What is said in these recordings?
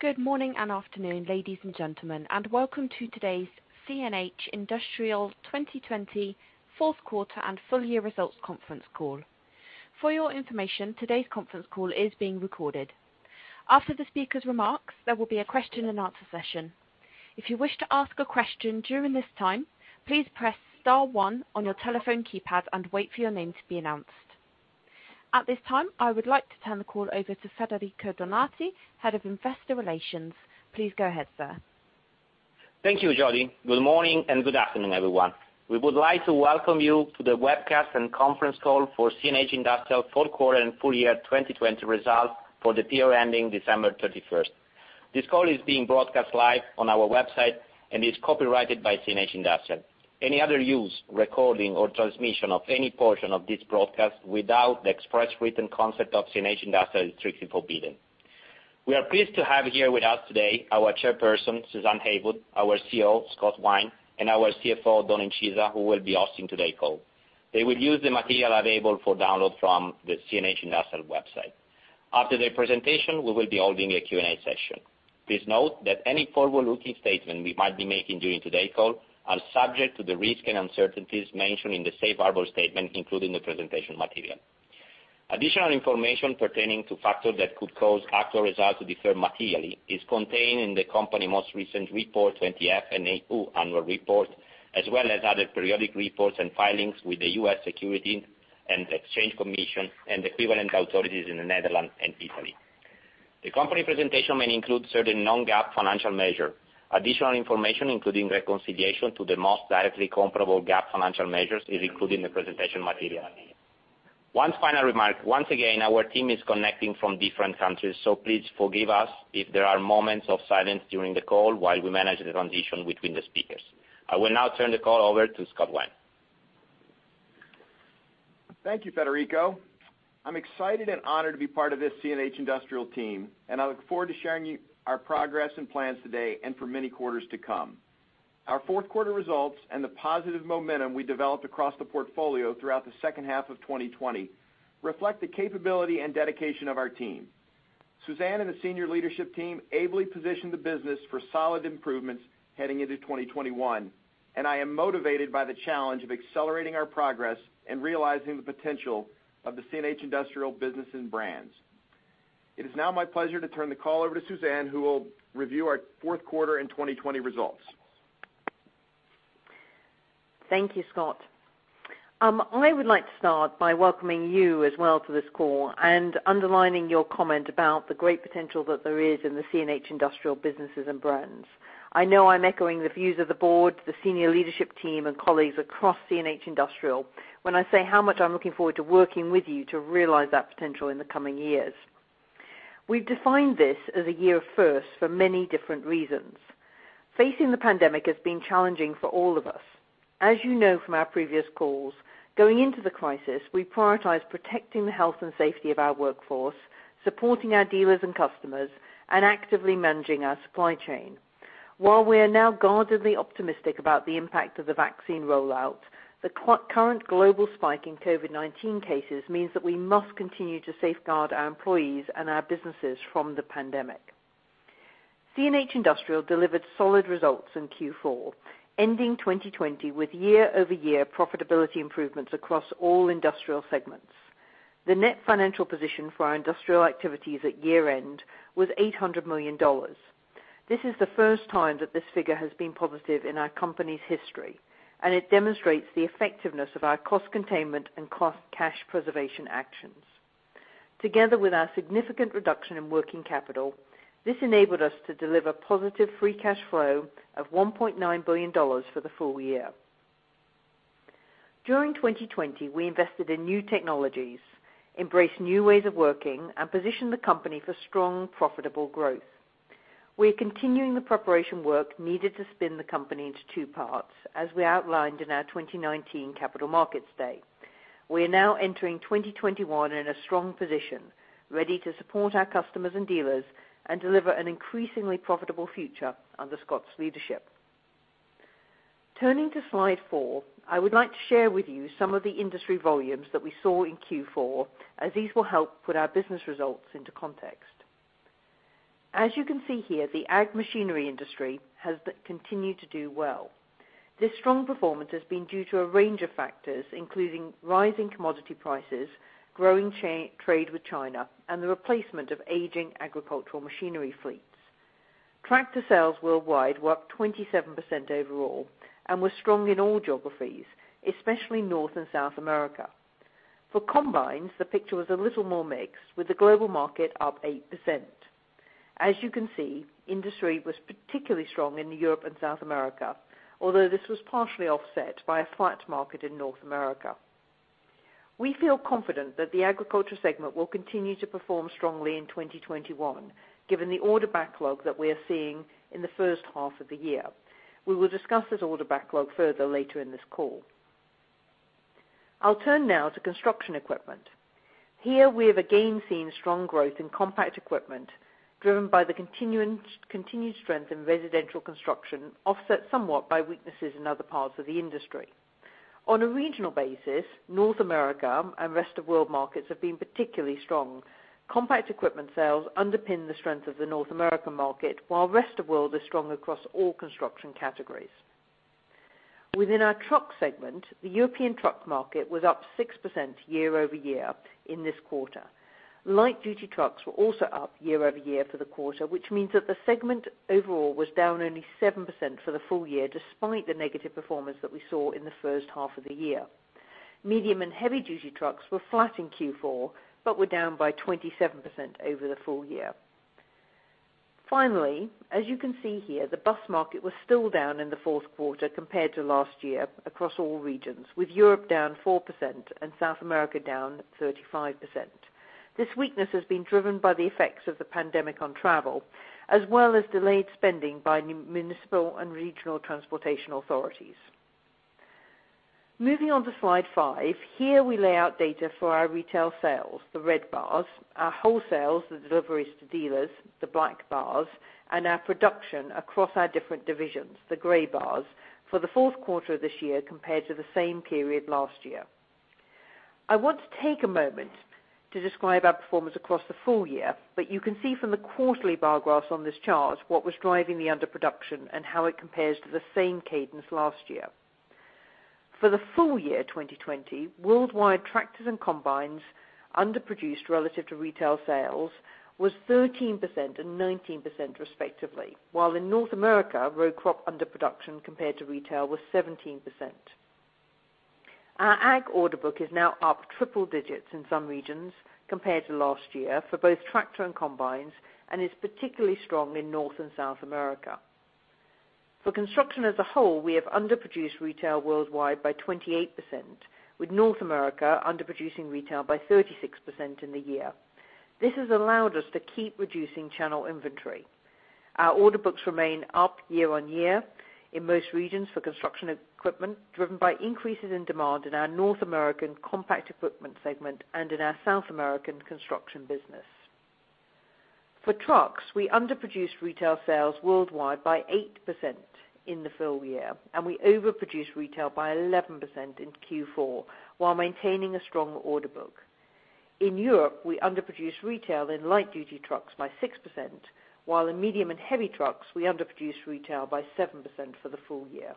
Good morning and afternoon, ladies and gentlemen, and welcome to today's CNH Industrial 2020 fourth quarter and full year results conference call. For your information, today's conference call is being recorded. After the speaker's remarks, there will be a question and answer session. If you wish to ask a question during this time, please press star one on your telephone keypad and wait for your name to be announced. At this time, I would like to turn the call over to Federico Donati, Head of Investor Relations. Please go ahead, sir. Thank you, Jody. Good morning and good afternoon, everyone. We would like to welcome you to the webcast and conference call for CNH Industrial fourth quarter and full year 2020 results for the year ending December 31st. This call is being broadcast live on our website and is copyrighted by CNH Industrial. Any other use, recording, or transmission of any portion of this broadcast without the express written consent of CNH Industrial is strictly forbidden. We are pleased to have here with us today our Chairperson, Suzanne Heywood, our CEO, Scott Wine, and our CFO, Oddone Incisa, who will be hosting today's call. They will use the material available for download from the CNH Industrial website. After their presentation, we will be holding a Q&A session. Please note that any forward-looking statement we might be making during today's call are subject to the risks and uncertainties mentioned in the safe harbor statement, including the presentation material. Additional information pertaining to factors that could cause actual results to differ materially is contained in the company most recent report, 20-F and 20-F annual report, as well as other periodic reports and filings with the US Securities and Exchange Commission and equivalent authorities in the Netherlands and Italy. The company presentation may include certain non-GAAP financial measure. Additional information, including reconciliation to the most directly comparable GAAP financial measures, is included in the presentation material. One final remark. Once again, our team is connecting from different countries, so please forgive us if there are moments of silence during the call while we manage the transition between the speakers. I will now turn the call over to Scott Wine. Thank you, Federico. I'm excited and honored to be part of this CNH Industrial team, I look forward to sharing our progress and plans today and for many quarters to come. Our fourth quarter results and the positive momentum we developed across the portfolio throughout the second half of 2020 reflect the capability and dedication of our team. Suzanne and the senior leadership team ably positioned the business for solid improvements heading into 2021, I am motivated by the challenge of accelerating our progress and realizing the potential of the CNH Industrial business and brands. It is now my pleasure to turn the call over to Suzanne, who will review our fourth quarter and 2020 results. Thank you, Scott. I would like to start by welcoming you as well to this call and underlining your comment about the great potential that there is in the CNH Industrial businesses and brands. I know I'm echoing the views of the board, the senior leadership team, and colleagues across CNH Industrial when I say how much I'm looking forward to working with you to realize that potential in the coming years. We've defined this as a year of firsts for many different reasons. Facing the pandemic has been challenging for all of us. As you know from our previous calls, going into the crisis, we prioritized protecting the health and safety of our workforce, supporting our dealers and customers, and actively managing our supply chain. While we are now guardedly optimistic about the impact of the vaccine rollout, the current global spike in COVID-19 cases means that we must continue to safeguard our employees and our businesses from the pandemic. CNH Industrial delivered solid results in Q4, ending 2020 with year-over-year profitability improvements across all industrial segments. The net financial position for our industrial activities at year end was $800 million. This is the first time that this figure has been positive in our company's history, and it demonstrates the effectiveness of our cost containment and cash preservation actions. Together with our significant reduction in working capital, this enabled us to deliver positive free cash flow of $1.9 billion for the full year. During 2020, we invested in new technologies, embraced new ways of working, and positioned the company for strong, profitable growth. We are continuing the preparation work needed to spin the company into two parts, as we outlined in our 2019 Capital Markets Day. We are now entering 2021 in a strong position, ready to support our customers and dealers and deliver an increasingly profitable future under Scott's leadership. Turning to slide four, I would like to share with you some of the industry volumes that we saw in Q4, as these will help put our business results into context. As you can see here, the ag machinery industry has continued to do well. This strong performance has been due to a range of factors, including rising commodity prices, growing trade with China, and the replacement of aging agricultural machinery fleets. Tractor sales worldwide were up 27% overall and were strong in all geographies, especially North and South America. For combines, the picture was a little more mixed, with the global market up 8%. As you can see, industry was particularly strong in Europe and South America, although this was partially offset by a flat market in North America. We feel confident that the agriculture segment will continue to perform strongly in 2021, given the order backlog that we are seeing in the first half of the year. We will discuss this order backlog further later in this call. I'll turn now to construction equipment. Here we have again seen strong growth in compact equipment driven by the continued strength in residential construction, offset somewhat by weaknesses in other parts of the industry. On a regional basis, North America and rest of world markets have been particularly strong. Compact equipment sales underpin the strength of the North American market, while rest of world is strong across all construction categories. Within our truck segment, the European truck market was up 6% year-over-year in this quarter. Light-duty trucks were also up year-over-year for the quarter, which means that the segment overall was down only 7% for the full year, despite the negative performance that we saw in the first half of the year. Medium and heavy-duty trucks were flat in Q4, but were down by 27% over the full year. Finally, as you can see here, the bus market was still down in the fourth quarter compared to last year across all regions, with Europe down 4% and South America down 35%. This weakness has been driven by the effects of the pandemic on travel, as well as delayed spending by municipal and regional transportation authorities. Moving on to slide five. Here we lay out data for our retail sales, the red bars, our wholesales, the deliveries to dealers, the black bars, and our production across our different divisions, the gray bars, for the fourth quarter of this year compared to the same period last year. I want to take a moment to describe our performance across the full year, but you can see from the quarterly bar graphs on this chart what was driving the underproduction and how it compares to the same cadence last year. For the full year 2020, worldwide tractors and combines underproduced relative to retail sales was 13% and 19% respectively, while in North America, row crop underproduction compared to retail was 17%. Our ag order book is now up triple digits in some regions compared to last year for both tractor and combines, and is particularly strong in North and South America. For construction as a whole, we have underproduced retail worldwide by 28%, with North America underproducing retail by 36% in the year. This has allowed us to keep reducing channel inventory. Our order books remain up year on year in most regions for construction equipment, driven by increases in demand in our North American compact equipment segment and in our South American construction business. For trucks, we underproduced retail sales worldwide by 8% in the full year, and we overproduced retail by 11% in Q4 while maintaining a strong order book. In Europe, we underproduced retail in light-duty trucks by 6%, while in medium and heavy trucks, we underproduced retail by 7% for the full year.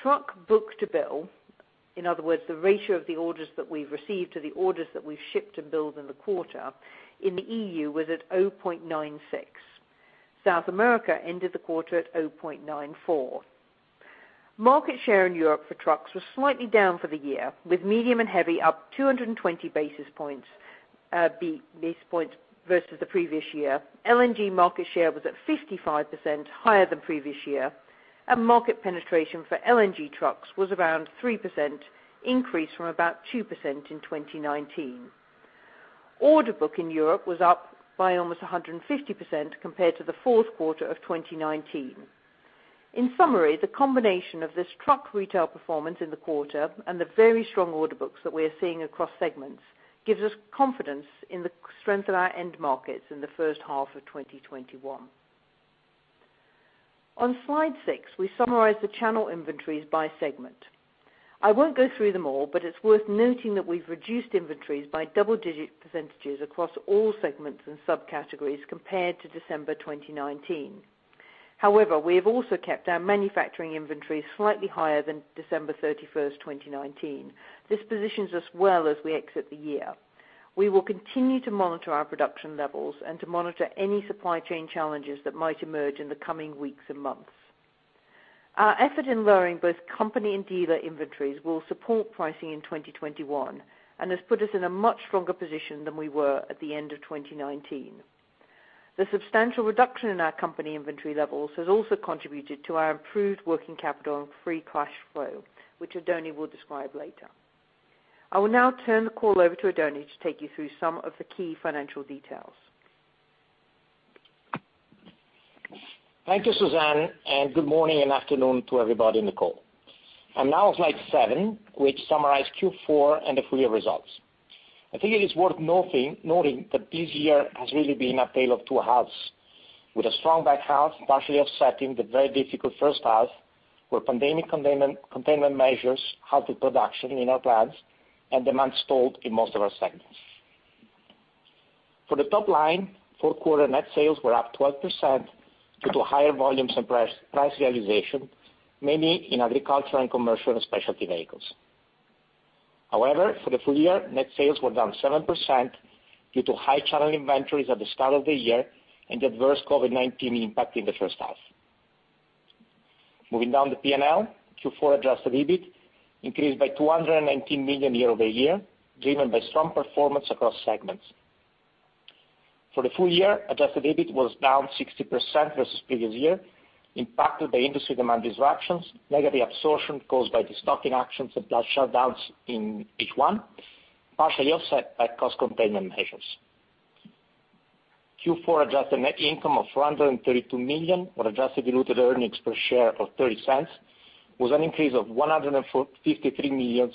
Truck book to bill, in other words, the ratio of the orders that we've received to the orders that we've shipped and billed in the quarter, in the EU was at 0.96. South America ended the quarter at 0.94. Market share in Europe for trucks was slightly down for the year, with medium and heavy up 220 basis points versus the previous year. LNG market share was at 55% higher than previous year, and market penetration for LNG trucks was around 3% increase from about 2% in 2019. Order book in Europe was up by almost 150% compared to the fourth quarter of 2019. In summary, the combination of this truck retail performance in the quarter and the very strong order books that we are seeing across segments gives us confidence in the strength of our end markets in the first half of 2021. On slide six, we summarize the channel inventories by segment. I won't go through them all, but it's worth noting that we've reduced inventories by double-digit percentages across all segments and subcategories compared to December 2019. We have also kept our manufacturing inventory slightly higher than December 31st, 2019. This positions us well as we exit the year. We will continue to monitor our production levels and to monitor any supply chain challenges that might emerge in the coming weeks and months. Our effort in lowering both company and dealer inventories will support pricing in 2021 and has put us in a much stronger position than we were at the end of 2019. The substantial reduction in our company inventory levels has also contributed to our improved working capital and free cash flow, which Oddone will describe later. I will now turn the call over to Oddone to take you through some of the key financial details. Thank you, Suzanne. Good morning and afternoon to everybody in the call. I'm now on slide seven, which summarize Q4 and the full year results. I think it is worth noting that this year has really been a tale of two halves, with a strong back half partially offsetting the very difficult first half, where pandemic containment measures halted production in our plants and demand stalled in most of our segments. For the top line, fourth quarter net sales were up 12% due to higher volumes and price realization, mainly in agricultural and Commercial and Specialty Vehicles. For the full year, net sales were down 7% due to high channel inventories at the start of the year and adverse COVID-19 impact in the first half. Moving down the P&L, Q4 adjusted EBIT increased by $219 million year-over-year, driven by strong performance across segments. For the full year, adjusted EBIT was down 60% versus previous year, impacted by industry demand disruptions, negative absorption caused by destocking actions and plant shutdowns in Q1, partially offset by cost containment measures. Q4 adjusted net income of 432 million, or adjusted diluted earnings per share of 0.30, was an increase of 153 million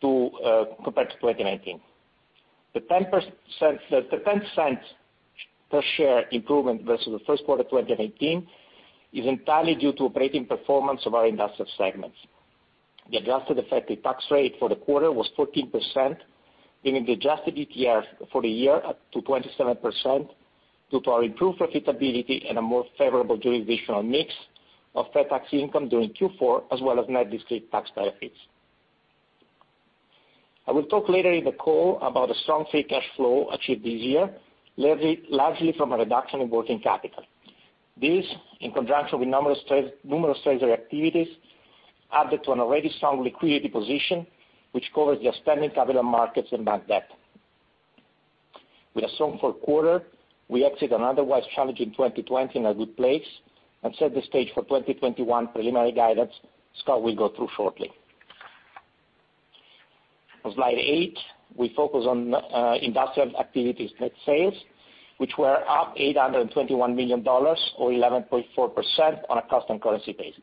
compared to 2019. The 0.10 per share improvement versus the first quarter 2019 is entirely due to operating performance of our industrial segments. The adjusted effective tax rate for the quarter was 14%, giving the adjusted ETR for the year up to 27% due to our improved profitability and a more favorable jurisdictional mix of pre-tax income during Q4, as well as net discrete tax benefits. I will talk later in the call about the strong free cash flow achieved this year, largely from a reduction in working capital. This, in conjunction with numerous treasury activities, added to an already strong liquidity position, which covers the outstanding capital markets and bank debt. With a strong fourth quarter, we exit an otherwise challenging 2020 in a good place and set the stage for 2021 preliminary guidance Scott will go through shortly. On slide eight, we focus on industrial activities net sales, which were up $821 million or 11.4% on a constant currency basis.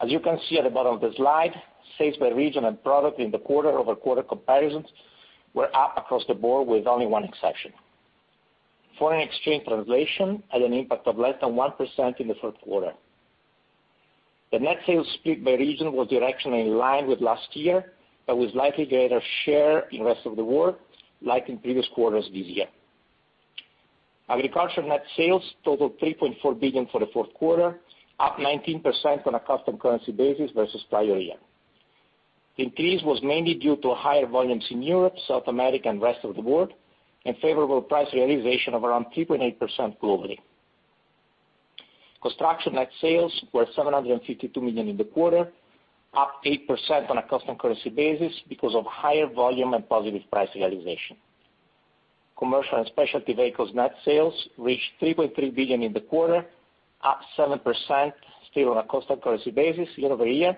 As you can see at the bottom of the slide, sales by region and product in the quarter-over-quarter comparisons were up across the board with only one exception. Foreign exchange translation had an impact of less than 1% in the third quarter. The net sales split by region was directionally in line with last year, with slightly greater share in rest of the world, like in previous quarters this year. Agriculture net sales totaled $3.4 billion for the fourth quarter, up 19% on a constant currency basis versus prior year. Increase was mainly due to higher volumes in Europe, South America, and rest of the world, and favorable price realization of around 3.8% globally. Construction net sales were $752 million in the quarter, up 8% on a constant currency basis because of higher volume and positive price realization. Commercial and Specialty Vehicles net sales reached $3.3 billion in the quarter, up 7%, still on a constant currency basis year-over-year,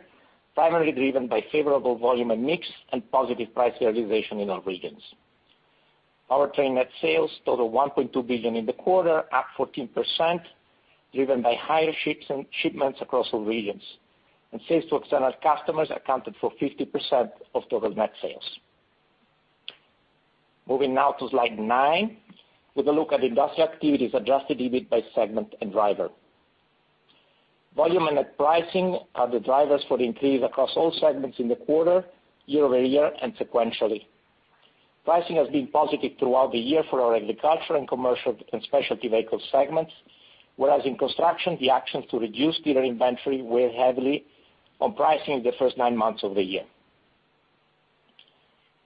primarily driven by favorable volume and mix and positive price realization in all regions. Powertrain net sales totaled $1.2 billion in the quarter, up 14%, driven by higher shipments across all regions, and sales to external customers accounted for 50% of total net sales. Moving now to slide nine with a look at industrial activities adjusted EBIT by segment and driver. Volume and net pricing are the drivers for the increase across all segments in the quarter, year-over-year and sequentially. Pricing has been positive throughout the year for our agricultural and commercial and specialty vehicle segments, whereas in construction, the actions to reduce dealer inventory weigh heavily on pricing in the first nine months of the year.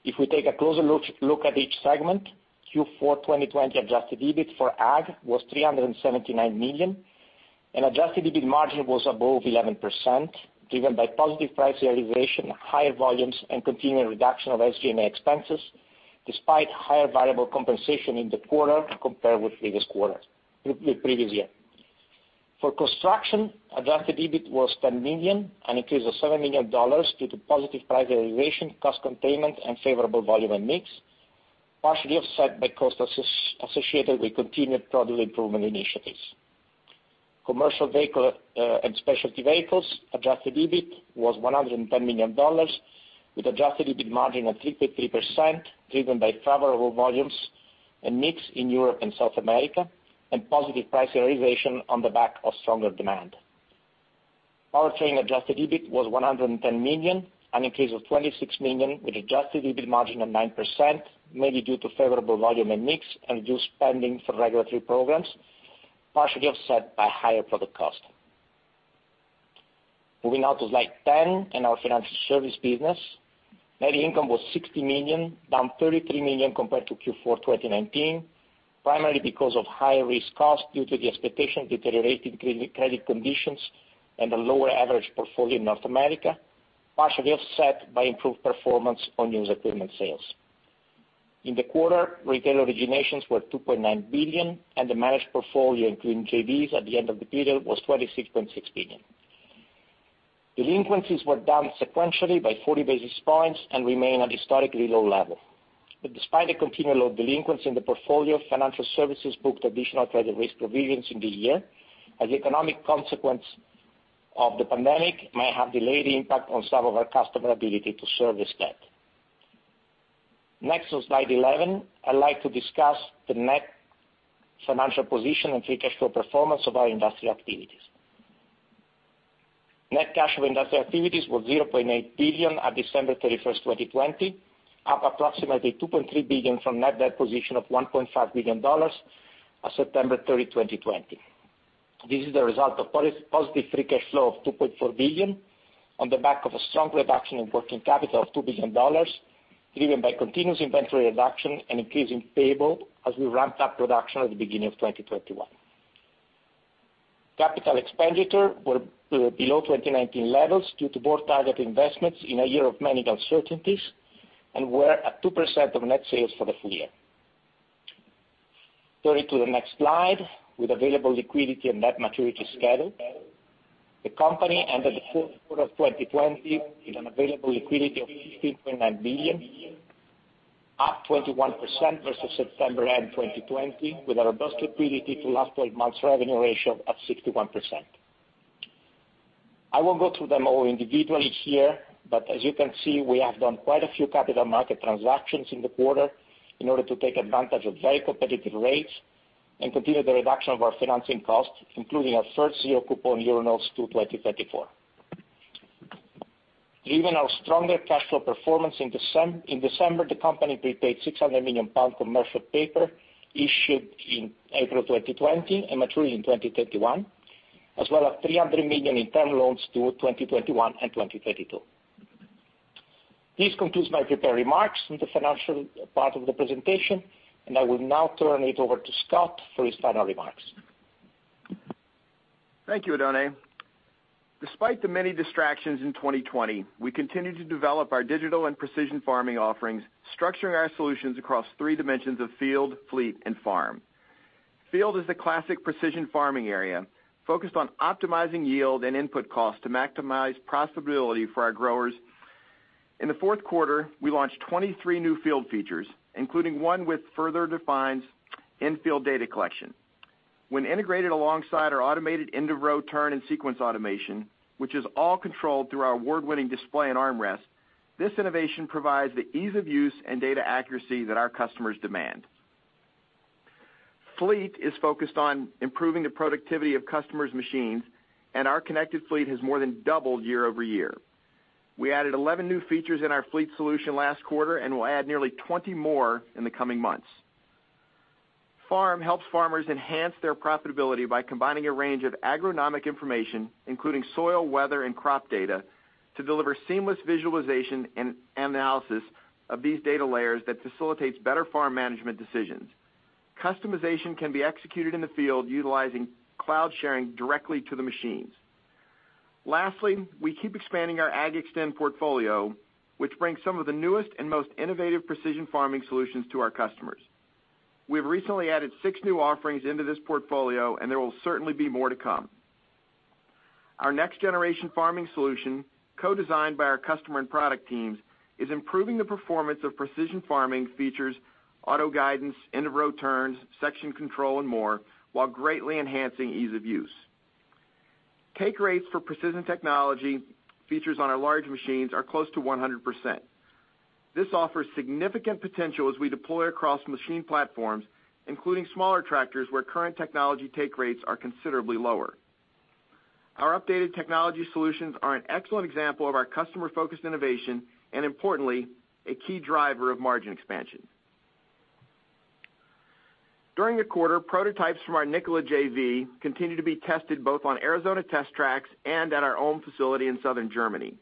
If we take a closer look at each segment, Q4 2020 adjusted EBIT for Ag was $379 million and adjusted EBIT margin was above 11%, driven by positive price realization, higher volumes and continued reduction of SGA expenses, despite higher variable compensation in the quarter compared with the previous year. For construction, adjusted EBIT was $10 million, an increase of $7 million due to positive price realization, cost containment and favorable volume and mix, partially offset by costs associated with continued product improvement initiatives. Commercial vehicle and specialty vehicles adjusted EBIT was $110 million with adjusted EBIT margin of 3.3%, driven by favorable volumes and mix in Europe and South America and positive price realization on the back of stronger demand. Powertrain adjusted EBIT was $110 million, an increase of $26 million with adjusted EBIT margin of 9%, mainly due to favorable volume and mix and reduced spending for regulatory programs, partially offset by higher product cost. Moving now to slide 10 and our financial service business. Net income was $60 million, down $33 million compared to Q4 2019. Primarily because of higher risk cost due to the expectation deteriorating credit conditions and a lower average portfolio in North America, partially offset by improved performance on used equipment sales. In the quarter, retail originations were $2.9 billion and the managed portfolio, including JVs at the end of the period was $26.6 billion. Delinquencies were down sequentially by 40 basis points and remain at a historically low level. Despite the continual low delinquency in the portfolio, financial services booked additional credit risk provisions in the year as economic consequence of the pandemic may have delayed impact on some of our customer ability to service debt. Next on slide 11, I'd like to discuss the net financial position and free cash flow performance of our industrial activities. Net cash from industrial activities was $0.8 billion at December 31st, 2020, up approximately $2.3 billion from net debt position of $1.5 billion on September 30th, 2020. This is the result of positive free cash flow of $2.4 billion on the back of a strong reduction in working capital of $2 billion, driven by continuous inventory reduction and increase in payable as we ramped up production at the beginning of 2021. Capital expenditure were below 2019 levels due to board targeted investments in a year of many uncertainties and were at 2% of net sales for the full year. Going to the next slide with available liquidity and net maturity schedule. The company ended the fourth quarter of 2020 with an available liquidity of $15.9 billion, up 21% versus September end 2020 with a robust liquidity to last 12 months revenue ratio of 61%. I won't go through them all individually here, but as you can see, we have done quite a few capital market transactions in the quarter in order to take advantage of very competitive rates and continue the reduction of our financing costs, including our first zero coupon Euro notes to 2034. Given our stronger cash flow performance in December, the company prepaid 600 million pound commercial paper issued in April 2020 and maturing in 2021, as well as $300 million internal loans to 2021 and 2022. This concludes my prepared remarks on the financial part of the presentation, and I will now turn it over to Scott for his final remarks. Thank you, Oddone. Despite the many distractions in 2020, we continued to develop our digital and precision farming offerings, structuring our solutions across three dimensions of field, fleet, and farm. Field is the classic precision farming area, focused on optimizing yield and input cost to maximize profitability for our growers. In the fourth quarter, we launched 23 new field features, including one which further defines in-field data collection. When integrated alongside our automated end-of-row turn and sequence automation, which is all controlled through our award-winning display and armrest, this innovation provides the ease of use and data accuracy that our customers demand. Fleet is focused on improving the productivity of customers' machines, and our connected fleet has more than doubled year-over-year. We added 11 new features in our fleet solution last quarter, and we'll add nearly 20 more in the coming months. Farm helps farmers enhance their profitability by combining a range of agronomic information, including soil, weather, and crop data, to deliver seamless visualization and analysis of these data layers that facilitates better farm management decisions. Customization can be executed in the field utilizing cloud sharing directly to the machines. Lastly, we keep expanding our AGXTEND portfolio, which brings some of the newest and most innovative precision farming solutions to our customers. We've recently added six new offerings into this portfolio, and there will certainly be more to come. Our next-generation farming solution, co-designed by our customer and product teams, is improving the performance of precision farming features auto guidance, end-of-row turns, section control, and more, while greatly enhancing ease of use. Take rates for precision technology features on our large machines are close to 100%. This offers significant potential as we deploy across machine platforms, including smaller tractors where current technology take rates are considerably lower. Our updated technology solutions are an excellent example of our customer-focused innovation, and importantly, a key driver of margin expansion. During the quarter, prototypes from our Nikola JV continued to be tested both on Arizona test tracks and at our own facility in Southern Germany.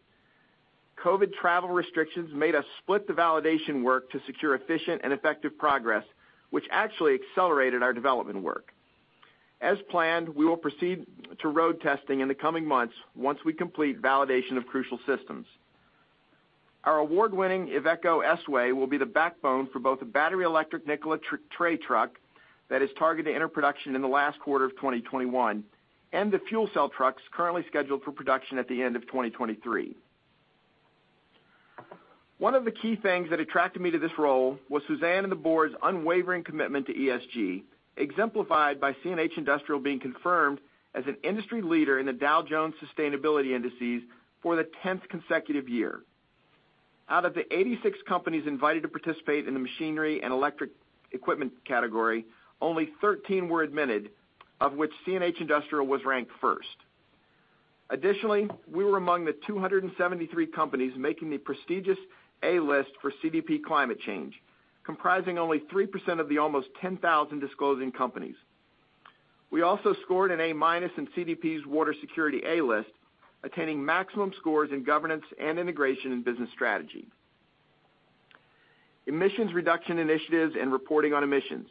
COVID travel restrictions made us split the validation work to secure efficient and effective progress, which actually accelerated our development work. As planned, we will proceed to road testing in the coming months once we complete validation of crucial systems. Our award-winning Iveco S-Way will be the backbone for both the battery electric Nikola Tre truck that is targeted to enter production in the last quarter of 2021, and the fuel cell trucks currently scheduled for production at the end of 2023. One of the key things that attracted me to this role was Suzanne and the board's unwavering commitment to ESG, exemplified by CNH Industrial being confirmed as an industry leader in the Dow Jones Sustainability Indices for the 10th consecutive year. Out of the 86 companies invited to participate in the machinery and electric equipment category, only 13 were admitted, of which CNH Industrial was ranked first. Additionally, we were among the 273 companies making the prestigious A list for CDP Climate Change, comprising only 3% of the almost 10,000 disclosing companies. We also scored an A-minus in CDP's Water Security A List, attaining maximum scores in governance and integration in business strategy. Emissions reduction initiatives and reporting on emissions.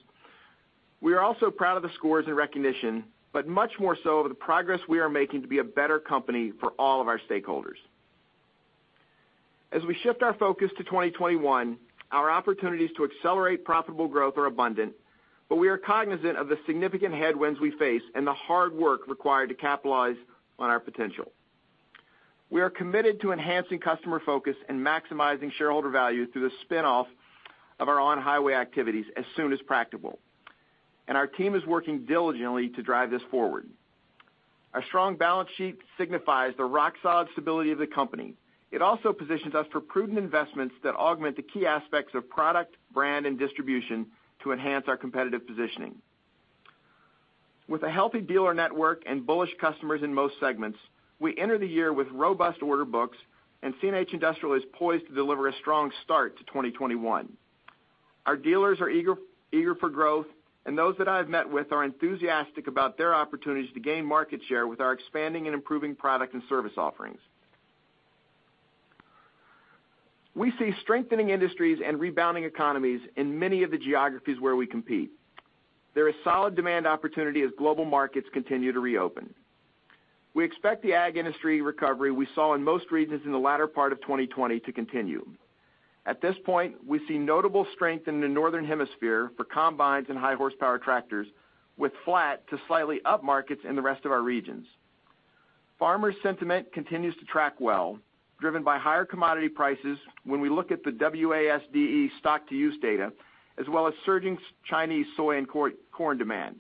We are also proud of the scores and recognition, but much more so of the progress we are making to be a better company for all of our stakeholders. As we shift our focus to 2021, our opportunities to accelerate profitable growth are abundant, but we are cognizant of the significant headwinds we face and the hard work required to capitalize on our potential. We are committed to enhancing customer focus and maximizing shareholder value through the spin-off of our on-highway activities as soon as practical. Our team is working diligently to drive this forward. Our strong balance sheet signifies the rock-solid stability of the company. It also positions us for prudent investments that augment the key aspects of product, brand, and distribution to enhance our competitive positioning. With a healthy dealer network and bullish customers in most segments, we enter the year with robust order books, and CNH Industrial is poised to deliver a strong start to 2021. Our dealers are eager for growth, and those that I've met with are enthusiastic about their opportunities to gain market share with our expanding and improving product and service offerings. We see strengthening industries and rebounding economies in many of the geographies where we compete. There is solid demand opportunity as global markets continue to reopen. We expect the ag industry recovery we saw in most regions in the latter part of 2020 to continue. At this point, we see notable strength in the northern hemisphere for combines and high horsepower tractors with flat to slightly up markets in the rest of our regions. Farmer sentiment continues to track well, driven by higher commodity prices when we look at the WASDE stock-to-use data, as well as surging Chinese soy and corn demand.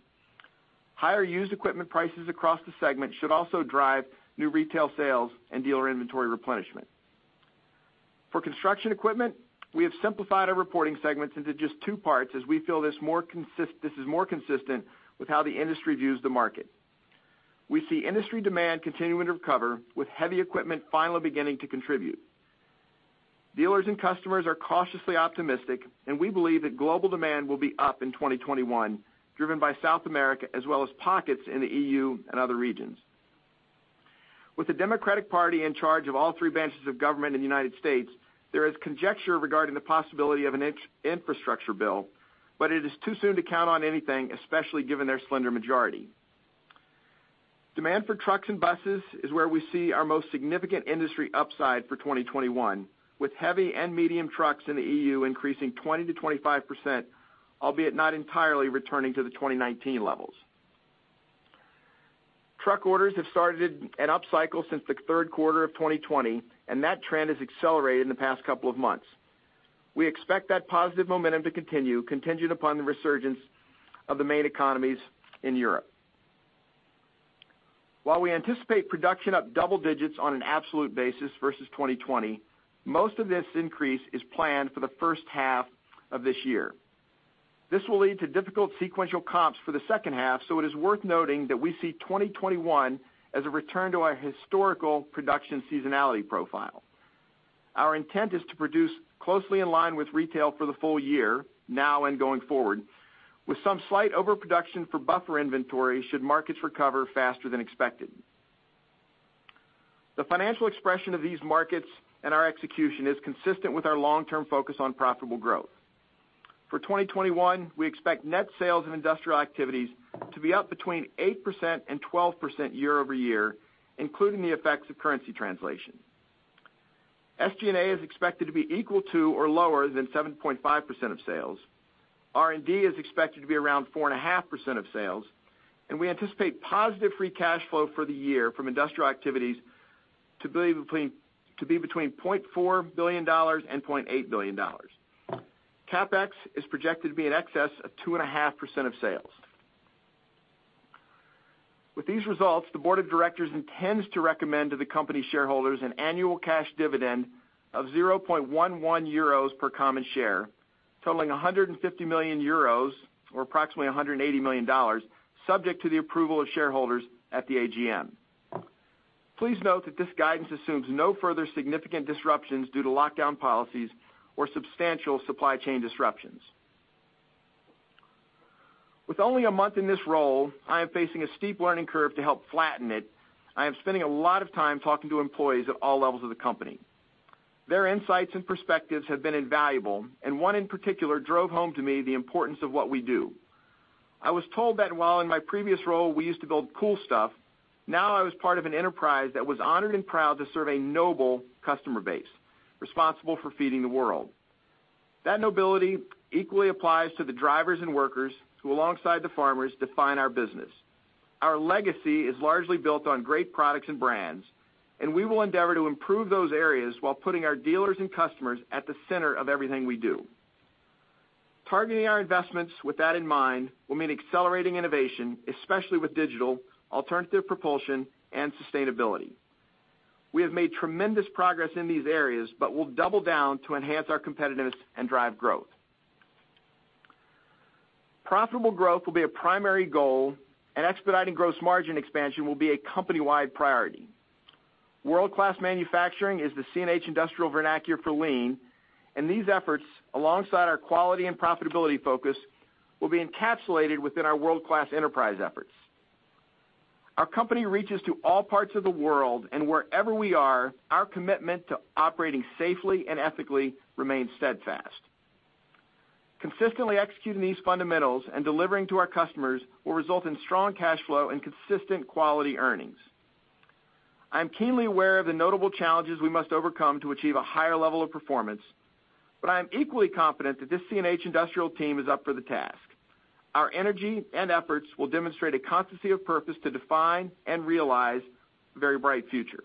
Higher used equipment prices across the segment should also drive new retail sales and dealer inventory replenishment. For construction equipment, we have simplified our reporting segments into just two parts, as we feel this is more consistent with how the industry views the market. We see industry demand continuing to recover, with heavy equipment finally beginning to contribute. Dealers and customers are cautiously optimistic, and we believe that global demand will be up in 2021, driven by South America as well as pockets in the EU and other regions. With the Democratic Party in charge of all three branches of government in the United States, there is conjecture regarding the possibility of an infrastructure bill, but it is too soon to count on anything, especially given their slender majority. Demand for trucks and buses is where we see our most significant industry upside for 2021, with heavy and medium trucks in the EU increasing 20%-25%, albeit not entirely returning to the 2019 levels. Truck orders have started an upcycle since the third quarter of 2020. That trend has accelerated in the past couple of months. We expect that positive momentum to continue contingent upon the resurgence of the main economies in Europe. While we anticipate production up double digits on an absolute basis versus 2020, most of this increase is planned for the first half of this year. This will lead to difficult sequential comps for the second half, so it is worth noting that we see 2021 as a return to our historical production seasonality profile. Our intent is to produce closely in line with retail for the full year now and going forward, with some slight overproduction for buffer inventory should markets recover faster than expected. The financial expression of these markets and our execution is consistent with our long-term focus on profitable growth. For 2021, we expect net sales and industrial activities to be up between 8% and 12% year-over-year, including the effects of currency translation. SGA is expected to be equal to or lower than 7.5% of sales. R&D is expected to be around 4.5% of sales, and we anticipate positive free cash flow for the year from industrial activities to be between $0.4 billion and $0.8 billion. CapEx is projected to be in excess of 2.5% of sales. With these results, the board of directors intends to recommend to the company shareholders an annual cash dividend of 0.11 euros per common share, totaling 150 million euros or approximately $180 million, subject to the approval of shareholders at the AGM. Please note that this guidance assumes no further significant disruptions due to lockdown policies or substantial supply chain disruptions. With only one month in this role, I am facing a steep learning curve to help flatten it. I am spending a lot of time talking to employees at all levels of the company. Their insights and perspectives have been invaluable, and one, in particular, drove home to me the importance of what we do. I was told that while in my previous role we used to build cool stuff, now I was part of an enterprise that was honored and proud to serve a noble customer base responsible for feeding the world. That nobility equally applies to the drivers and workers who, alongside the farmers, define our business. Our legacy is largely built on great products and brands, and we will endeavor to improve those areas while putting our dealers and customers at the center of everything we do. Targeting our investments with that in mind will mean accelerating innovation, especially with digital, alternative propulsion, and sustainability. We have made tremendous progress in these areas, but we'll double down to enhance our competitiveness and drive growth. Profitable growth will be a primary goal, and expediting gross margin expansion will be a company-wide priority. World-Class Manufacturing is the CNH Industrial vernacular for lean, and these efforts, alongside our quality and profitability focus, will be encapsulated within our World-Class Enterprise efforts. Our company reaches to all parts of the world, and wherever we are, our commitment to operating safely and ethically remains steadfast. Consistently executing these fundamentals and delivering to our customers will result in strong cash flow and consistent quality earnings. I am keenly aware of the notable challenges we must overcome to achieve a higher level of performance, but I am equally confident that this CNH Industrial team is up for the task. Our energy and efforts will demonstrate a constancy of purpose to define and realize a very bright future.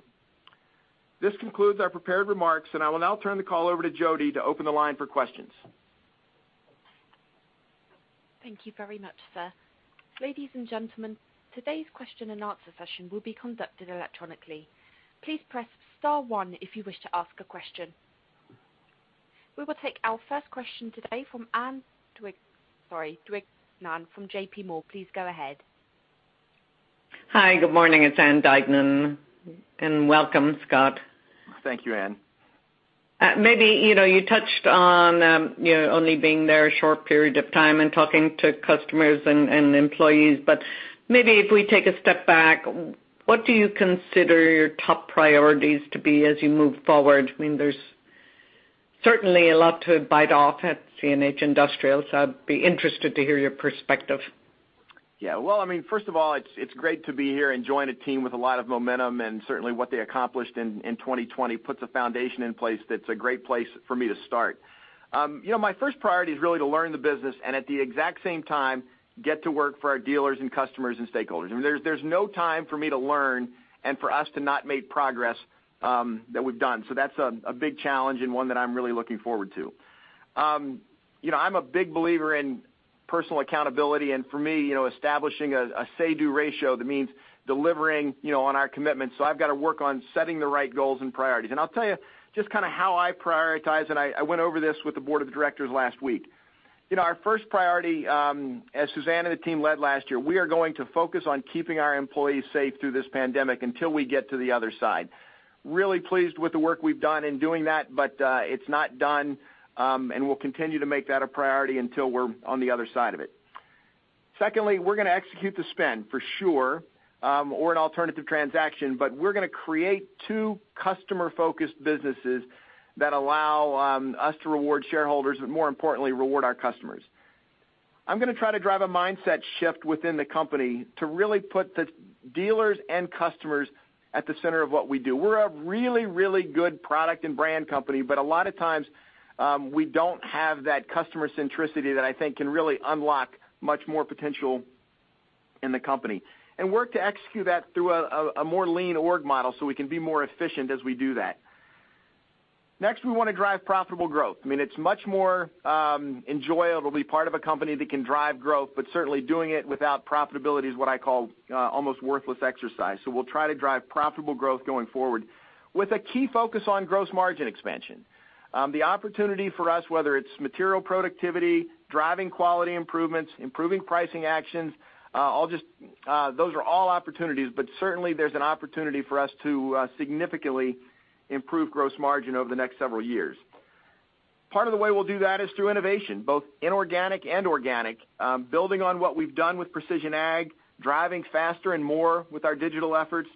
This concludes our prepared remarks, and I will now turn the call over to Jody to open the line for questions. Thank you very much, sir. Ladies and gentlemen, today's question and answer session will be conducted electronically. Please press star one if you wish to ask a question. We will take our first question today from Ann Duignan from JPMorgan. Please go ahead. Hi, good morning. It's Ann Duignan, and welcome, Scott. Thank you, Ann. You touched on only being there a short period of time and talking to customers and employees, maybe if we take a step back, what do you consider your top priorities to be as you move forward? There's certainly a lot to bite off at CNH Industrial, I'd be interested to hear your perspective. Yeah. Well, first of all, it's great to be here and join a team with a lot of momentum, certainly what they accomplished in 2020 puts a foundation in place that's a great place for me to start. My first priority is really to learn the business and at the exact same time, get to work for our dealers and customers and stakeholders. There's no time for me to learn and for us to not make progress that we've done. That's a big challenge and one that I'm really looking forward to. I'm a big believer in personal accountability, for me, establishing a say-do ratio that means delivering on our commitments. I've got to work on setting the right goals and priorities. I'll tell you just how I prioritize, I went over this with the board of directors last week. Our first priority, as Suzanne and the team led last year, we are going to focus on keeping our employees safe through this pandemic until we get to the other side. Really pleased with the work we've done in doing that, but it's not done, and we'll continue to make that a priority until we're on the other side of it. Secondly, we're going to execute the spin for sure, or an alternative transaction, but we're going to create two customer-focused businesses that allow us to reward shareholders, but more importantly, reward our customers. I'm going to try to drive a mindset shift within the company to really put the dealers and customers at the center of what we do. We're a really, really good product and brand company. A lot of times, we don't have that customer centricity that I think can really unlock much more potential in the company. Work to execute that through a more lean org model so we can be more efficient as we do that. Next, we want to drive profitable growth. It's much more enjoyable to be part of a company that can drive growth. Certainly doing it without profitability is what I call almost worthless exercise. We'll try to drive profitable growth going forward with a key focus on gross margin expansion. The opportunity for us, whether it's material productivity, driving quality improvements, improving pricing actions, those are all opportunities. Certainly there's an opportunity for us to significantly improve gross margin over the next several years. Part of the way we'll do that is through innovation, both inorganic and organic, building on what we've done with Precision Ag, driving faster and more with our digital efforts,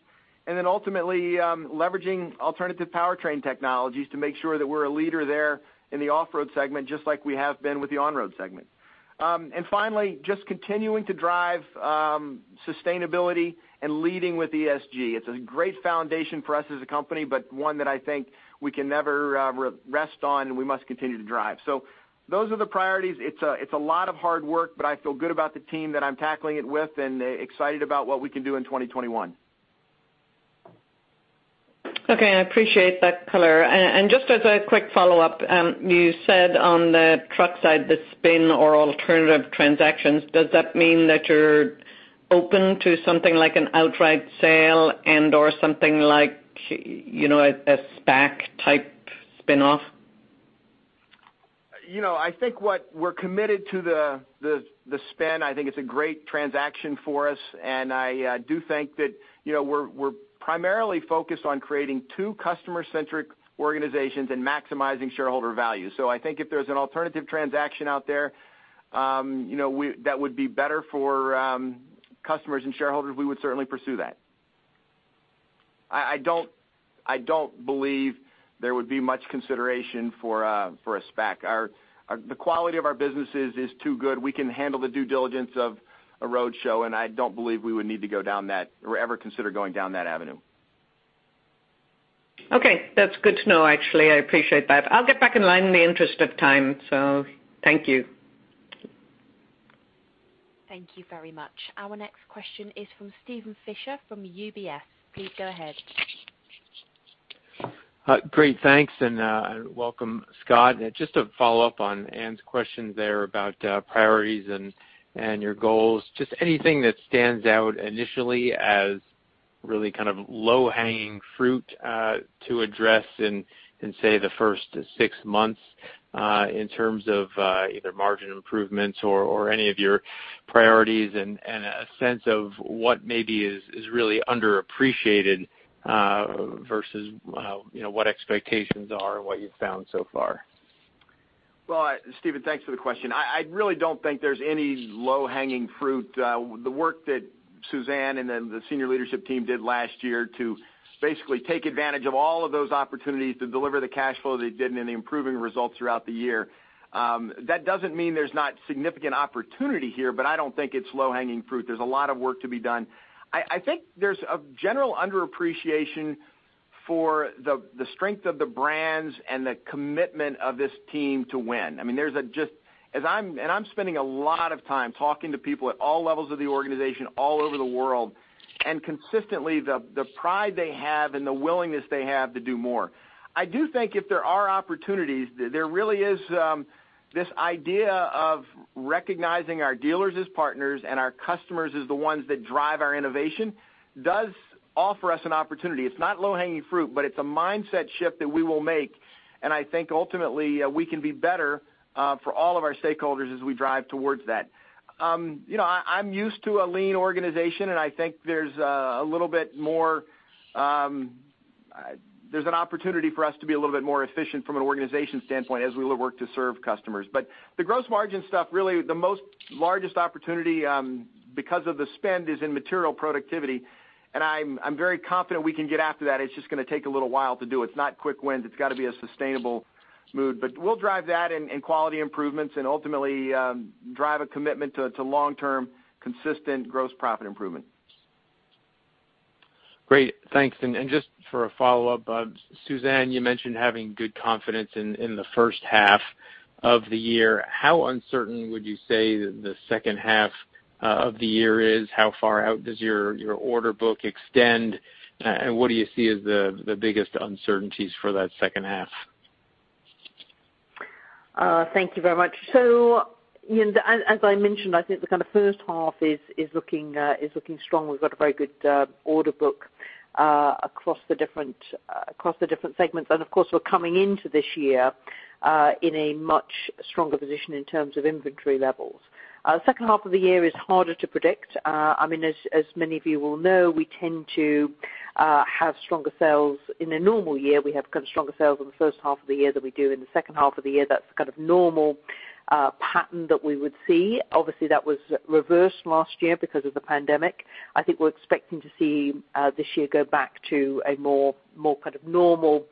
and then ultimately, leveraging alternative powertrain technologies to make sure that we're a leader there in the off-road segment, just like we have been with the on-road segment. Finally, just continuing to drive sustainability and leading with ESG. It's a great foundation for us as a company, but one that I think we can never rest on and we must continue to drive. Those are the priorities. It's a lot of hard work, but I feel good about the team that I'm tackling it with and excited about what we can do in 2021. Okay. I appreciate that color. Just as a quick follow-up, you said on the truck side, the spin or alternative transactions, does that mean that you're open to something like an outright sale and/or something like a SPAC type spinoff? I think what we're committed to the spin, I think it's a great transaction for us, and I do think that we're primarily focused on creating two customer-centric organizations and maximizing shareholder value. I think if there's an alternative transaction out there that would be better for customers and shareholders, we would certainly pursue that. I don't believe there would be much consideration for a SPAC. The quality of our businesses is too good. We can handle the due diligence of a roadshow, and I don't believe we would need to go down that or ever consider going down that avenue. Okay. That's good to know, actually. I appreciate that. I'll get back in line in the interest of time. Thank you. Thank you very much. Our next question is from Steven Fisher from UBS. Please go ahead. Great, thanks, and welcome, Scott. Just a follow-up on Ann's question there about priorities and your goals. Just anything that stands out initially as really kind of low-hanging fruit to address in, say, the first six months in terms of either margin improvements or any of your priorities and a sense of what maybe is really underappreciated versus what expectations are and what you've found so far? Well, Steven, thanks for the question. I really don't think there's any low-hanging fruit. The work that Suzanne and the senior leadership team did last year to basically take advantage of all of those opportunities to deliver the cash flow they did and the improving results throughout the year. That doesn't mean there's not significant opportunity here, but I don't think it's low-hanging fruit. There's a lot of work to be done. I think there's a general underappreciation for the strength of the brands and the commitment of this team to win. I'm spending a lot of time talking to people at all levels of the organization all over the world, and consistently the pride they have and the willingness they have to do more. I do think if there are opportunities, there really is this idea of recognizing our dealers as partners and our customers as the ones that drive our innovation does offer us an opportunity. It's not low-hanging fruit, but it's a mindset shift that we will make, and I think ultimately we can be better for all of our stakeholders as we drive towards that. I'm used to a lean organization, and I think there's an opportunity for us to be a little bit more efficient from an organization standpoint as we work to serve customers. The gross margin stuff, really the most largest opportunity because of the spend is in material productivity, and I'm very confident we can get after that. It's just going to take a little while to do. It's not quick wins. It's got to be a sustainable move. We'll drive that and quality improvements and ultimately drive a commitment to long-term, consistent gross profit improvement. Great. Thanks. Just for a follow-up, Suzanne, you mentioned having good confidence in the first half of the year. How uncertain would you say the second half? Of the year is? How far out does your order book extend? What do you see as the biggest uncertainties for that second half? Thank you very much. As I mentioned, I think the first half is looking strong. We've got a very good order book across the different segments. Of course, we're coming into this year in a much stronger position in terms of inventory levels. Second half of the year is harder to predict. As many of you well know, we tend to have stronger sales in a normal year. We have stronger sales in the first half of the year than we do in the second half of the year. That's kind of normal pattern that we would see. Obviously, that was reversed last year because of the pandemic. I think we're expecting to see this year go back to a more normal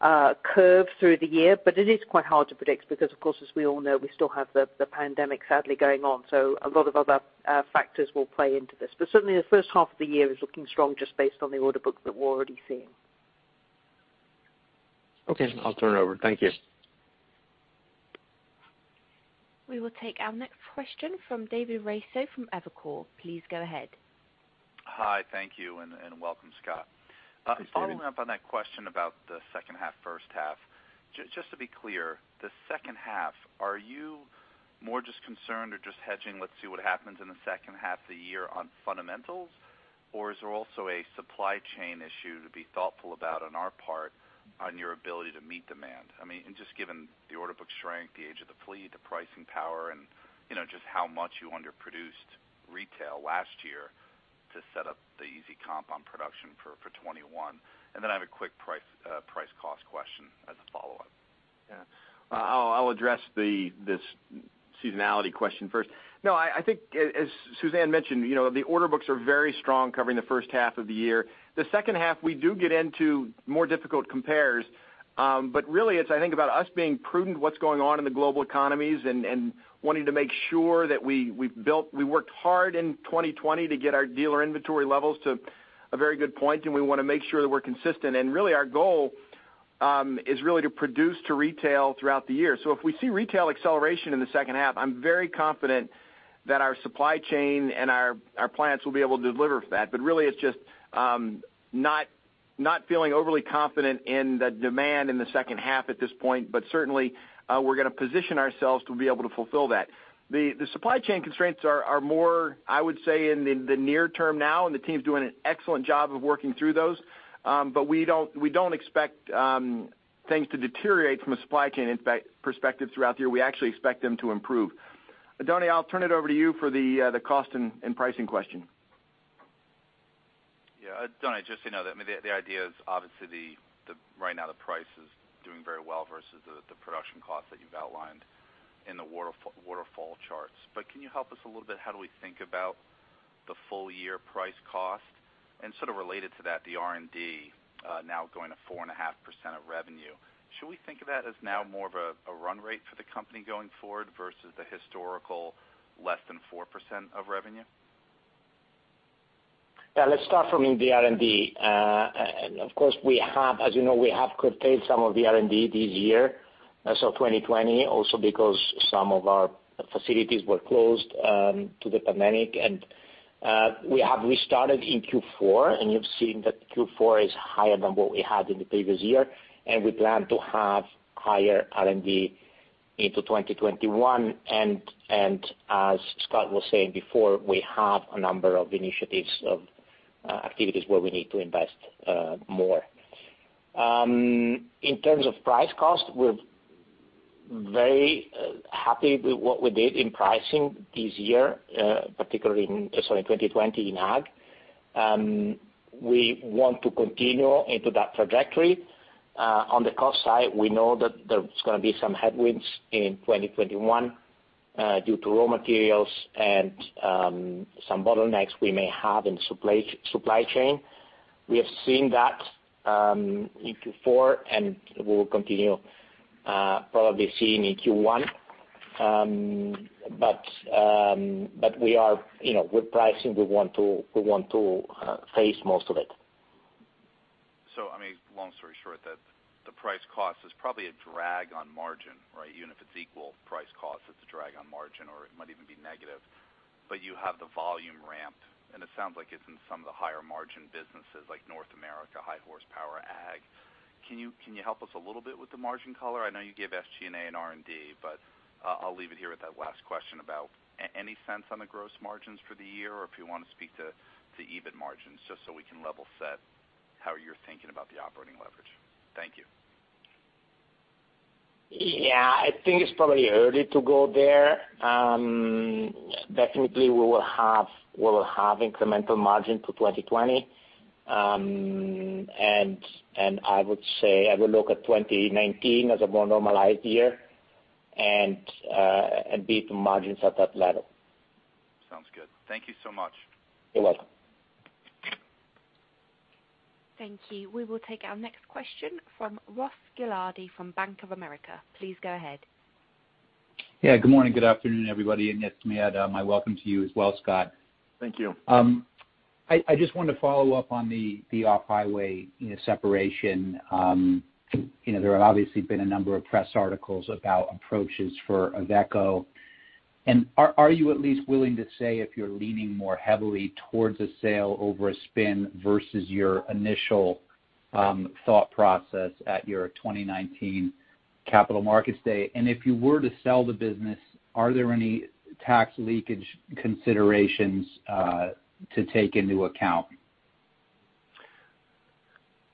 curve through the year. It is quite hard to predict because, of course, as we all know, we still have the pandemic sadly going on. A lot of other factors will play into this, but certainly the first half of the year is looking strong just based on the order book that we're already seeing. Okay. I'll turn it over. Thank you. We will take our next question from David Raso from Evercore. Please go ahead. Hi. Thank you, and welcome, Scott. Thanks, David. Following up on that question about the second half, first half, just to be clear, the second half, are you more just concerned or just hedging, let's see what happens in the second half of the year on fundamentals? Or is there also a supply chain issue to be thoughtful about on our part on your ability to meet demand? Just given the order book strength, the age of the fleet, the pricing power, and just how much you underproduced retail last year to set up the easy comp on production for 2021. Then I have a quick price cost question as a follow-up. Yeah. I'll address this seasonality question first. No, I think, as Suzanne mentioned, the order books are very strong covering the first half of the year. The second half, we do get into more difficult compares. Really, it's, I think, about us being prudent what's going on in the global economies and wanting to make sure that we worked hard in 2020 to get our dealer inventory levels to a very good point, and we want to make sure that we're consistent. Really, our goal is really to produce to retail throughout the year. If we see retail acceleration in the second half, I'm very confident that our supply chain and our plans will be able to deliver that. Really, it's just not feeling overly confident in the demand in the second half at this point. Certainly, we're going to position ourselves to be able to fulfill that. The supply chain constraints are more, I would say, in the near term now, and the team's doing an excellent job of working through those. We don't expect things to deteriorate from a supply chain perspective throughout the year. We actually expect them to improve. Donnie, I'll turn it over to you for the cost and pricing question. Yeah. Oddone, just so you know, the idea is obviously right now the price is doing very well versus the production cost that you've outlined in the waterfall charts. Can you help us a little bit, how do we think about the full-year price cost? Sort of related to that, the R&D now going to 4.5% of revenue. Should we think of that as now more of a run rate for the company going forward versus the historical less than 4% of revenue? Yeah, let's start from the R&D. Of course, as you know, we have curtailed some of the R&D this year, so 2020, also because some of our facilities were closed to the pandemic. We have restarted in Q4, and you've seen that Q4 is higher than what we had in the previous year, and we plan to have higher R&D into 2021. As Scott was saying before, we have a number of initiatives of activities where we need to invest more. In terms of price cost, we're very happy with what we did in pricing this year, particularly in 2020 in ag. We want to continue into that trajectory. On the cost side, we know that there's going to be some headwinds in 2021 due to raw materials and some bottlenecks we may have in supply chain. We have seen that in Q4, and we will continue probably seeing in Q1. With pricing, we want to face most of it. Long story short, that the price cost is probably a drag on margin, right? Even if it's equal price cost, it's a drag on margin, or it might even be negative. You have the volume ramped, and it sounds like it's in some of the higher margin businesses like North America, high horsepower, ag. Can you help us a little bit with the margin color? I know you give SG&A and R&D, but I'll leave it here with that last question about any sense on the gross margins for the year, or if you want to speak to EBIT margins, just so we can level set how you're thinking about the operating leverage. Thank you. Yeah, I think it's probably early to go there. Definitely we will have incremental margin to 2020. I would look at 2019 as a more normalized year and EBIT margins at that level. Sounds good. Thank you so much. You're welcome. Thank you. We will take our next question from Ross Gilardi from Bank of America. Please go ahead. Yeah. Good morning. Good afternoon, everybody. Yes, my welcome to you as well, Scott. Thank you. I just wanted to follow up on the off-highway separation. There have obviously been a number of press articles about approaches for Iveco. Are you at least willing to say if you're leaning more heavily towards a sale over a spin versus your initial thought process at your 2019 capital markets day? If you were to sell the business, are there any tax leakage considerations to take into account?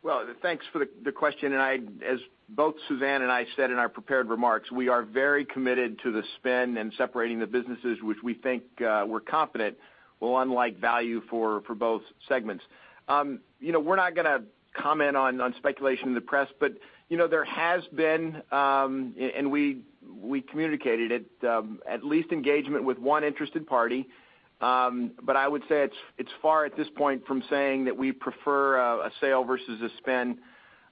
Well, thanks for the question. As both Suzanne and I said in our prepared remarks, we are very committed to the spin and separating the businesses, which we think we're confident will unlock value for both segments. We're not going to comment on speculation in the press. There has been, and we communicated it, at least engagement with one interested party. I would say it's far at this point from saying that we prefer a sale versus a spin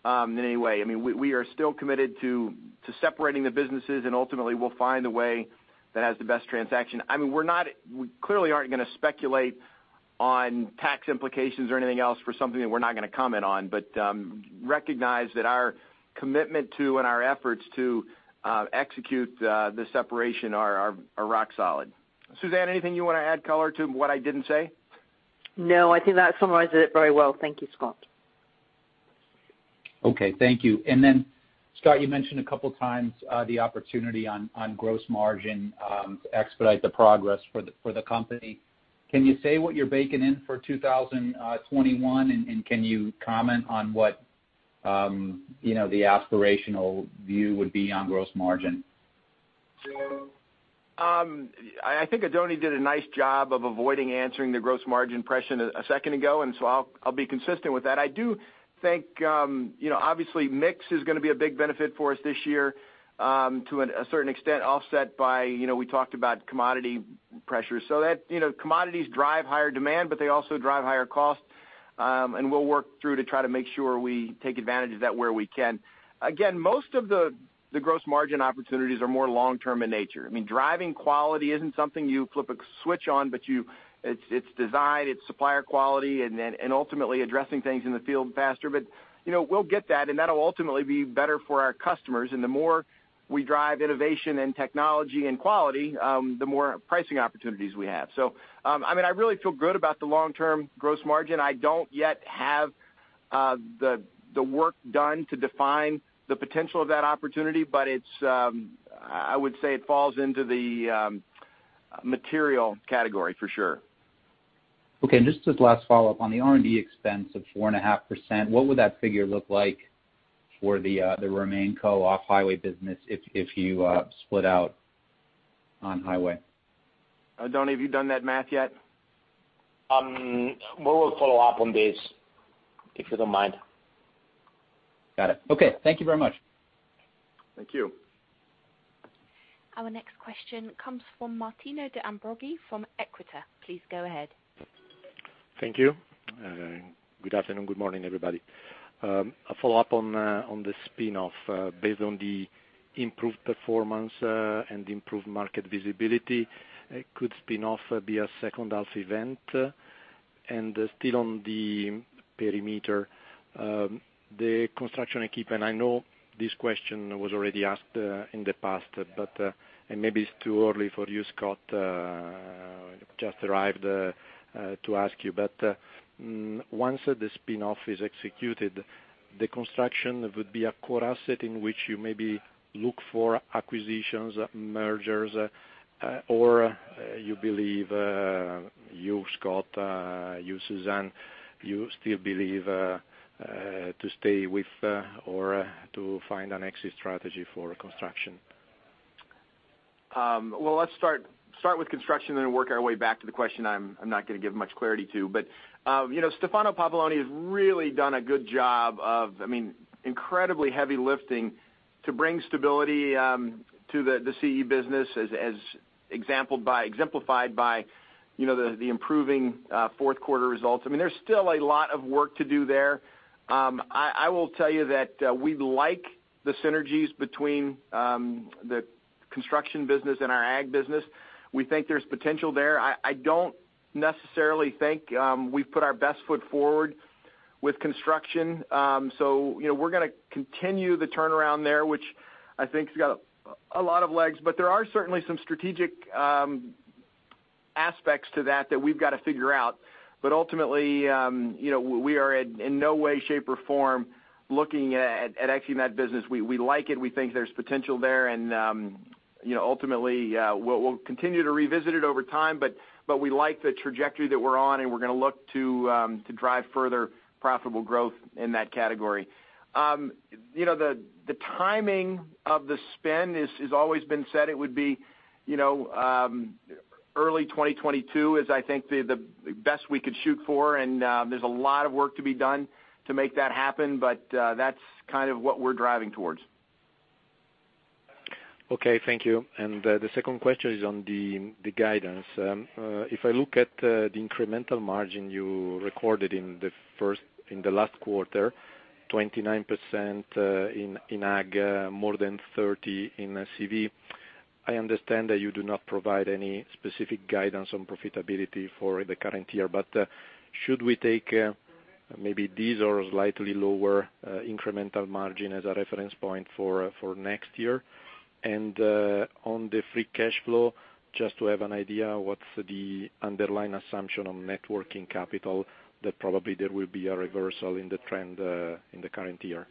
in any way. We are still committed to separating the businesses and ultimately we'll find a way that has the best transaction. We clearly aren't going to speculate on tax implications or anything else for something that we're not going to comment on. Recognize that our commitment to and our efforts to execute the separation are rock solid. Suzanne, anything you want to add color to what I didn't say? No, I think that summarizes it very well. Thank you, Scott. Okay. Thank you. Scott, you mentioned a couple of times the opportunity on gross margin to expedite the progress for the company. Can you say what you're baking in for 2021 and can you comment on what the aspirational view would be on gross margin? I think Oddone did a nice job of avoiding answering the gross margin question a second ago. I'll be consistent with that. I do think obviously mix is going to be a big benefit for us this year to a certain extent offset by, we talked about commodity pressures. Commodities drive higher demand, but they also drive higher cost. We'll work through to try to make sure we take advantage of that where we can. Again, most of the gross margin opportunities are more long-term in nature. Driving quality isn't something you flip a switch on, but it's design, it's supplier quality, and ultimately addressing things in the field faster. We'll get that, and that'll ultimately be better for our customers. The more we drive innovation and technology and quality, the more pricing opportunities we have. I really feel good about the long-term gross margin. I don't yet have the work done to define the potential of that opportunity, but I would say it falls into the material category for sure. Okay. Just as last follow-up on the R&D expense of 4.5%, what would that figure look like for the RemainCo off-highway business if you split out on-highway? Oddone, have you done that math yet? We will follow up on this, if you don't mind. Got it. Okay. Thank you very much. Thank you. Our next question comes from Martino De Ambroggi from Equita. Please go ahead. Thank you. Good afternoon, good morning, everybody. A follow-up on the spin-off. Based on the improved performance and improved market visibility, could spin-off be a second half event? Still on the perimeter, the Construction Equipment, and I know this question was already asked in the past, and maybe it's too early for you, Scott, just arrived to ask you. Once the spin-off is executed, the Construction would be a core asset in which you maybe look for acquisitions, mergers, or you believe you, Scott, you, Suzanne, you still believe to stay with or to find an exit strategy for Construction? Well, let's start with construction and work our way back to the question I'm not going to give much clarity to. Stefano Pampalone has really done a good job of incredibly heavy lifting to bring stability to the CE business as exemplified by the improving fourth quarter results. There's still a lot of work to do there. I will tell you that we like the synergies between the construction business and our ag business. We think there's potential there. I don't necessarily think we've put our best foot forward with construction. We're going to continue the turnaround there, which I think has got a lot of legs. There are certainly some strategic aspects to that that we've got to figure out. Ultimately, we are in no way, shape, or form looking at exiting that business. We like it. We think there's potential there. Ultimately, we'll continue to revisit it over time, but we like the trajectory that we're on, and we're going to look to drive further profitable growth in that category. The timing of the spin has always been said it would be early 2022 is I think the best we could shoot for, and there's a lot of work to be done to make that happen, but that's kind of what we're driving towards. Okay, thank you. The second question is on the guidance. If I look at the incremental margin you recorded in the last quarter, 29% in Ag, more than 30 in CV. I understand that you do not provide any specific guidance on profitability for the current year, should we take maybe these are slightly lower incremental margin as a reference point for next year? On the free cash flow, just to have an idea, what's the underlying assumption on net working capital that probably there will be a reversal in the trend in the current year?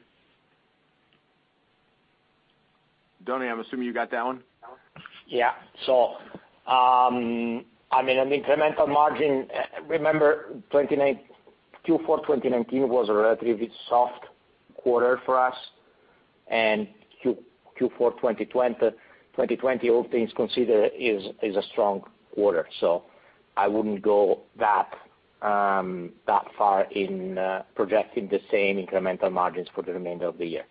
Oddone, I'm assuming you got that one? Yeah. On the incremental margin, remember Q4 2019 was a relatively soft quarter for us, and Q4 2020, all things considered, is a strong quarter. I wouldn't go that far in projecting the same incremental margins for the remainder of the year.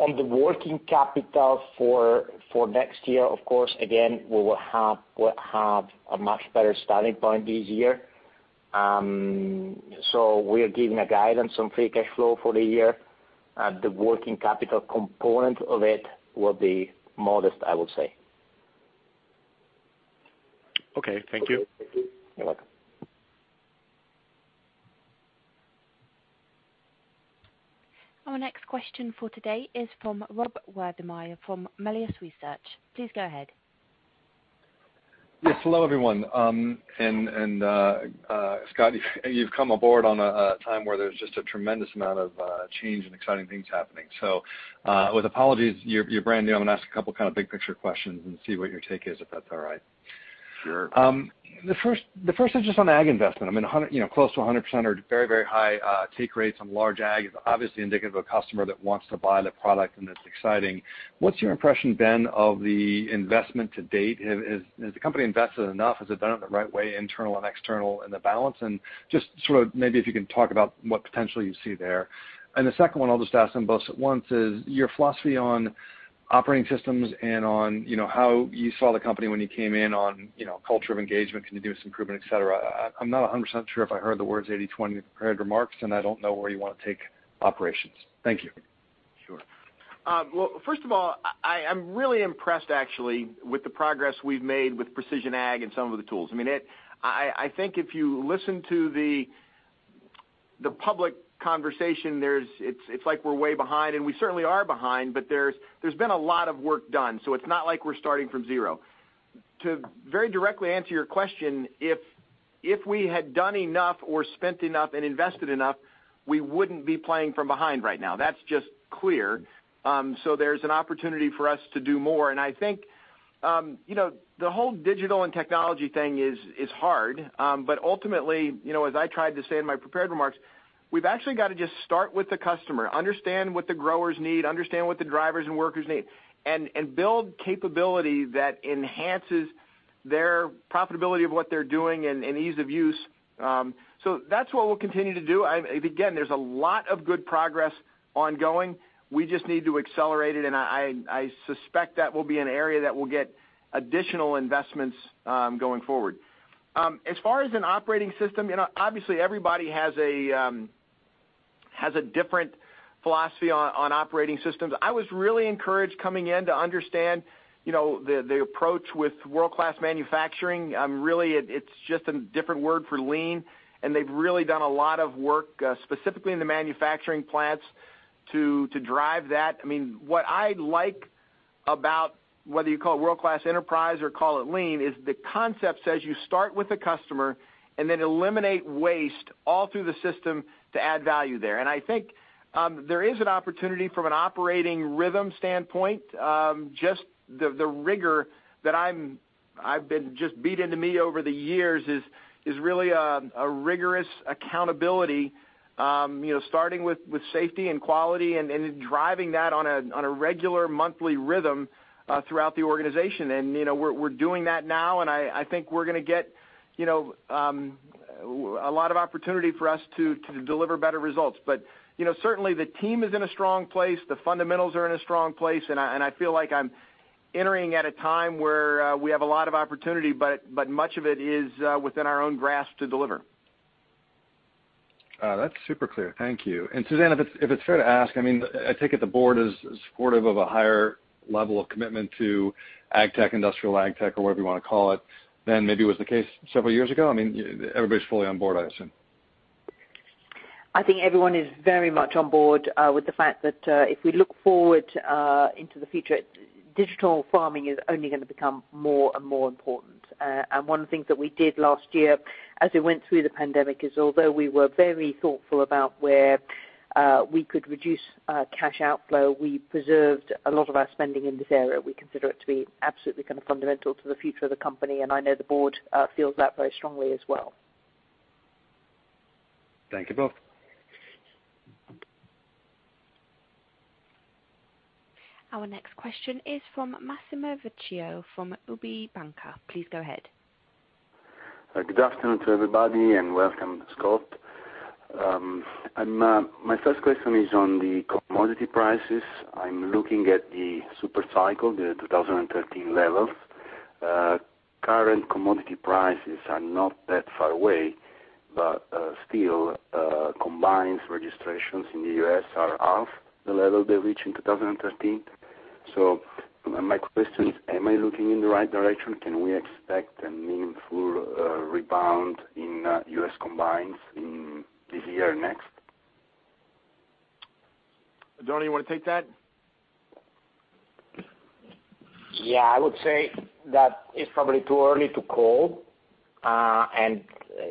On the working capital for next year, of course, again, we will have a much better starting point this year. We are giving a guidance on free cash flow for the year. The working capital component of it will be modest, I would say. Okay. Thank you. You're welcome. Our next question for today is from Rob Wertheimer, from Melius Research. Please go ahead. Yes. Hello, everyone. Scott, you've come aboard on a time where there's just a tremendous amount of change and exciting things happening. With apologies, you're brand new. I'm going to ask a couple kind of big picture questions and see what your take is, if that's all right. Sure. The first is just on ag investment. Close to 100% or very high take rates on large ag is obviously indicative of a customer that wants to buy the product and that's exciting. What's your impression been of the investment to date? Has the company invested enough? Has it done it the right way, internal and external, and the balance? Just sort of maybe if you can talk about what potential you see there? The second one, I'll just ask them both at once, is your philosophy on operating systems and on how you saw the company when you came in on culture of engagement, continuous improvement, et cetera. I'm not 100% sure if I heard the words 80/20 in your prepared remarks, and I don't know where you want to take operations. Thank you. Sure. Well, first of all, I'm really impressed, actually, with the progress we've made with Precision Ag and some of the tools. I think if you listen to the public conversation, it's like we're way behind, and we certainly are behind, but there's been a lot of work done. It's not like we're starting from zero. To very directly answer your question, if we had done enough or spent enough and invested enough, we wouldn't be playing from behind right now. That's just clear. There's an opportunity for us to do more. I think, the whole digital and technology thing is hard. Ultimately, as I tried to say in my prepared remarks, we've actually got to just start with the customer, understand what the growers need, understand what the drivers and workers need, and build capability that enhances their profitability of what they're doing and ease of use. That's what we'll continue to do. Again, there's a lot of good progress ongoing. We just need to accelerate it, and I suspect that will be an area that will get additional investments going forward. As far as an operating system, obviously, everybody has a different philosophy on operating systems. I was really encouraged coming in to understand the approach with World-Class Manufacturing. Really, it's just a different word for lean, and they've really done a lot of work, specifically in the manufacturing plants to drive that. What I like about whether you call it World-Class Enterprise or call it lean, is the concept says you start with the customer and then eliminate waste all through the system to add value there. I think there is an opportunity from an operating rhythm standpoint. Just the rigor that I've been beat into me over the years is really a rigorous accountability, starting with safety and quality and driving that on a regular monthly rhythm throughout the organization. We're doing that now, and I think we're going to get a lot of opportunity for us to deliver better results. Certainly the team is in a strong place, the fundamentals are in a strong place, and I feel like I'm entering at a time where we have a lot of opportunity, but much of it is within our own grasp to deliver. That's super clear. Thank you. Suzanne, if it's fair to ask, I take it the board is supportive of a higher level of commitment to Agtech, Industrial Agtech, or whatever you want to call it, than maybe was the case several years ago. Everybody's fully on board, I assume. I think everyone is very much on board with the fact that if we look forward into the future, digital farming is only going to become more and more important. One of the things that we did last year as we went through the pandemic is, although we were very thoughtful about where we could reduce cash outflow, we preserved a lot of our spending in this area. We consider it to be absolutely kind of fundamental to the future of the company, and I know the board feels that very strongly as well. Thank you both. Our next question is from Massimo Vecchio from UBI Banca. Please go ahead. Good afternoon to everybody and welcome, Scott. My first question is on the commodity prices. I'm looking at the super cycle, the 2013 level. Current commodity prices are not that far away. Still combined registrations in the U.S. are half the level they reached in 2013. My question is, am I looking in the right direction? Can we expect a meaningful rebound in U.S. combines in this year or next? Oddone, you want to take that? Yeah. I would say that it's probably too early to call.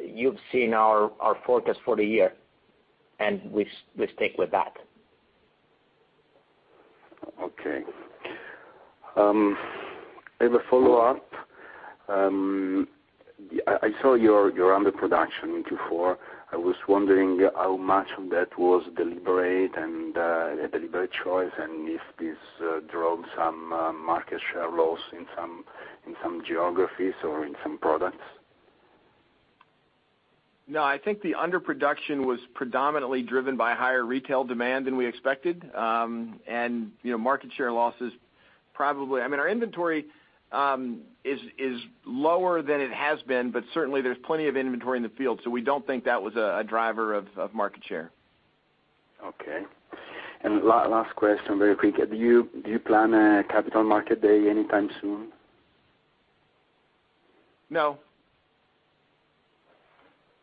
You've seen our forecast for the year, and we stick with that. Okay. I have a follow-up. I saw your underproduction in Q4. I was wondering how much of that was deliberate and a deliberate choice, and if this drove some market share loss in some geographies or in some products. No, I think the underproduction was predominantly driven by higher retail demand than we expected. Market share losses probably, our inventory is lower than it has been, but certainly, there's plenty of inventory in the field, so we don't think that was a driver of market share. Okay. Last question, very quick. Do you plan a capital market day anytime soon? No.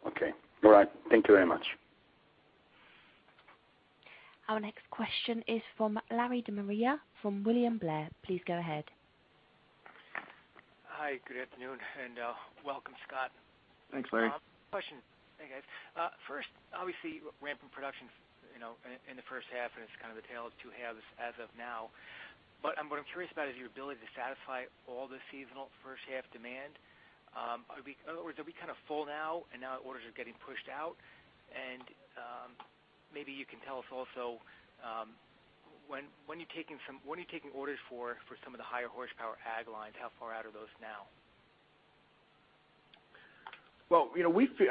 Okay. All right. Thank you very much. Our next question is from Larry De Maria from William Blair. Please go ahead. Hi, good afternoon, and welcome, Scott. Thanks, Larry. Question. Hey, guys. Obviously, ramp in production in the first half, it's kind of the tale of two halves as of now. What I'm curious about is your ability to satisfy all the seasonal first half demand. In other words, are we kind of full now and now orders are getting pushed out? Maybe you can tell us also, when are you taking orders for some of the higher horsepower ag lines? How far out are those now? Well,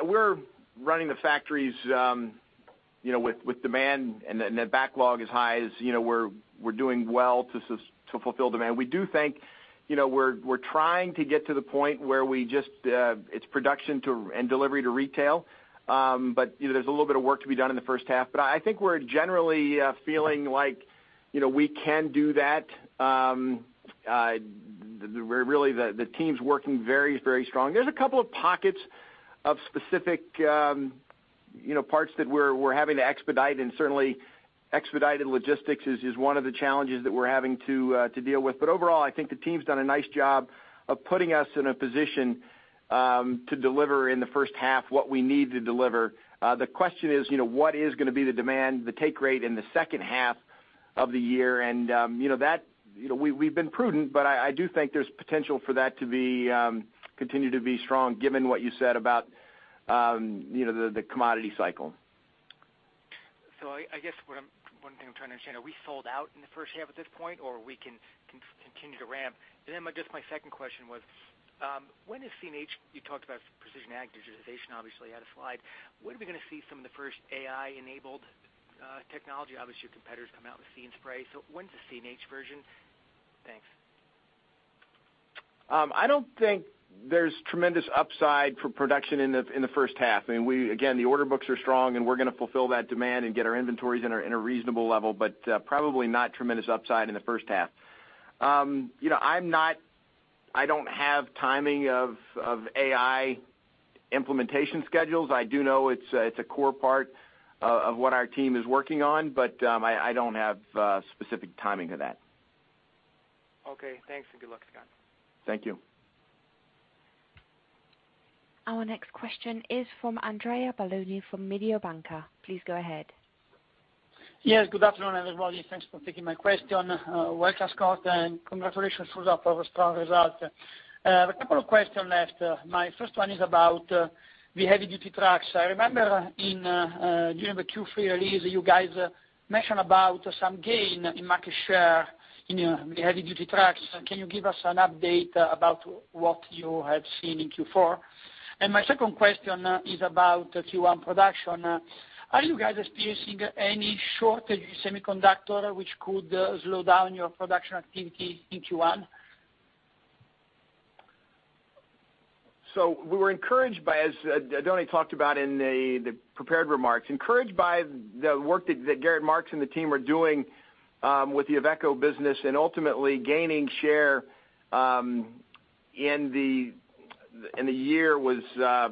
we're running the factories with demand and the backlog is high, as you know. We're doing well to fulfill demand. We're trying to get to the point where it's production and delivery to retail. There's a little bit of work to be done in the first half. I think we're generally feeling like we can do that. Really, the team's working very strong. There's a couple of pockets of specific parts that we're having to expedite, and certainly expedited logistics is one of the challenges that we're having to deal with. Overall, I think the team's done a nice job of putting us in a position to deliver in the first half what we need to deliver. The question is, what is going to be the demand, the take rate in the second half of the year? We've been prudent, but I do think there's potential for that to continue to be strong given what you said about the commodity cycle. I guess one thing I'm trying to understand, are we sold out in the first half at this point, or we can continue to ramp? Just my second question was, you talked about Precision Ag digitization, obviously you had a slide. When are we going to see some of the first AI-enabled technology? Obviously, your competitors come out with See & Spray. When's the CNH version? Thanks. I don't think there's tremendous upside for production in the first half. The order books are strong, and we're going to fulfill that demand and get our inventories in a reasonable level, but probably not tremendous upside in the first half. I don't have timing of AI implementation schedules. I do know it's a core part of what our team is working on, but I don't have specific timing of that. Okay, thanks and good luck, Scott. Thank you. Our next question is from Andrea Balloni from Mediobanca. Please go ahead. Yes, good afternoon, everybody. Thanks for taking my question. Welcome, Scott, and congratulations for the strong result. A couple of questions left. My first one is about the heavy duty trucks. I remember during the Q3 release, you guys mentioned about some gain in market share in the heavy duty trucks. Can you give us an update about what you have seen in Q4? My second question is about Q1 production. Are you guys experiencing any shortage in semiconductor which could slow down your production activity in Q1? We were encouraged by, as Oddone talked about in the prepared remarks, encouraged by the work that Gerrit Marx and the team are doing with the Iveco business and ultimately gaining share in the year was a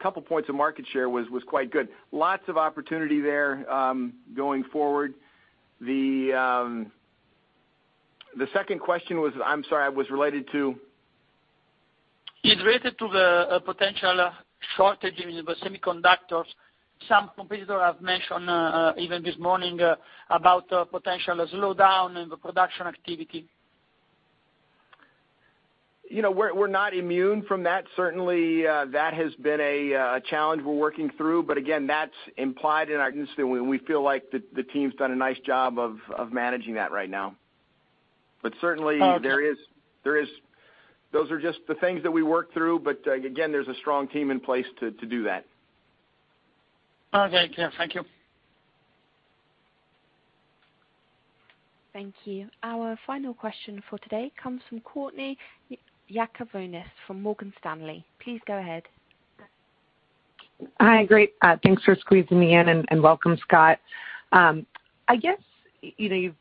couple points of market share was quite good. Lots of opportunity there going forward. The second question was, I'm sorry, was related to? It's related to the potential shortage in the semiconductors. Some competitors have mentioned even this morning about potential slowdown in the production activity. We're not immune from that. Certainly, that has been a challenge we're working through. Again, that's implied in our guidance, and we feel like the team's done a nice job of managing that right now. Certainly those are just the things that we work through. Again, there's a strong team in place to do that. Okay. Thank you. Thank you. Our final question for today comes from Courtney Yakavonis from Morgan Stanley. Please go ahead. Hi. Great. Thanks for squeezing me in. Welcome, Scott. I guess you've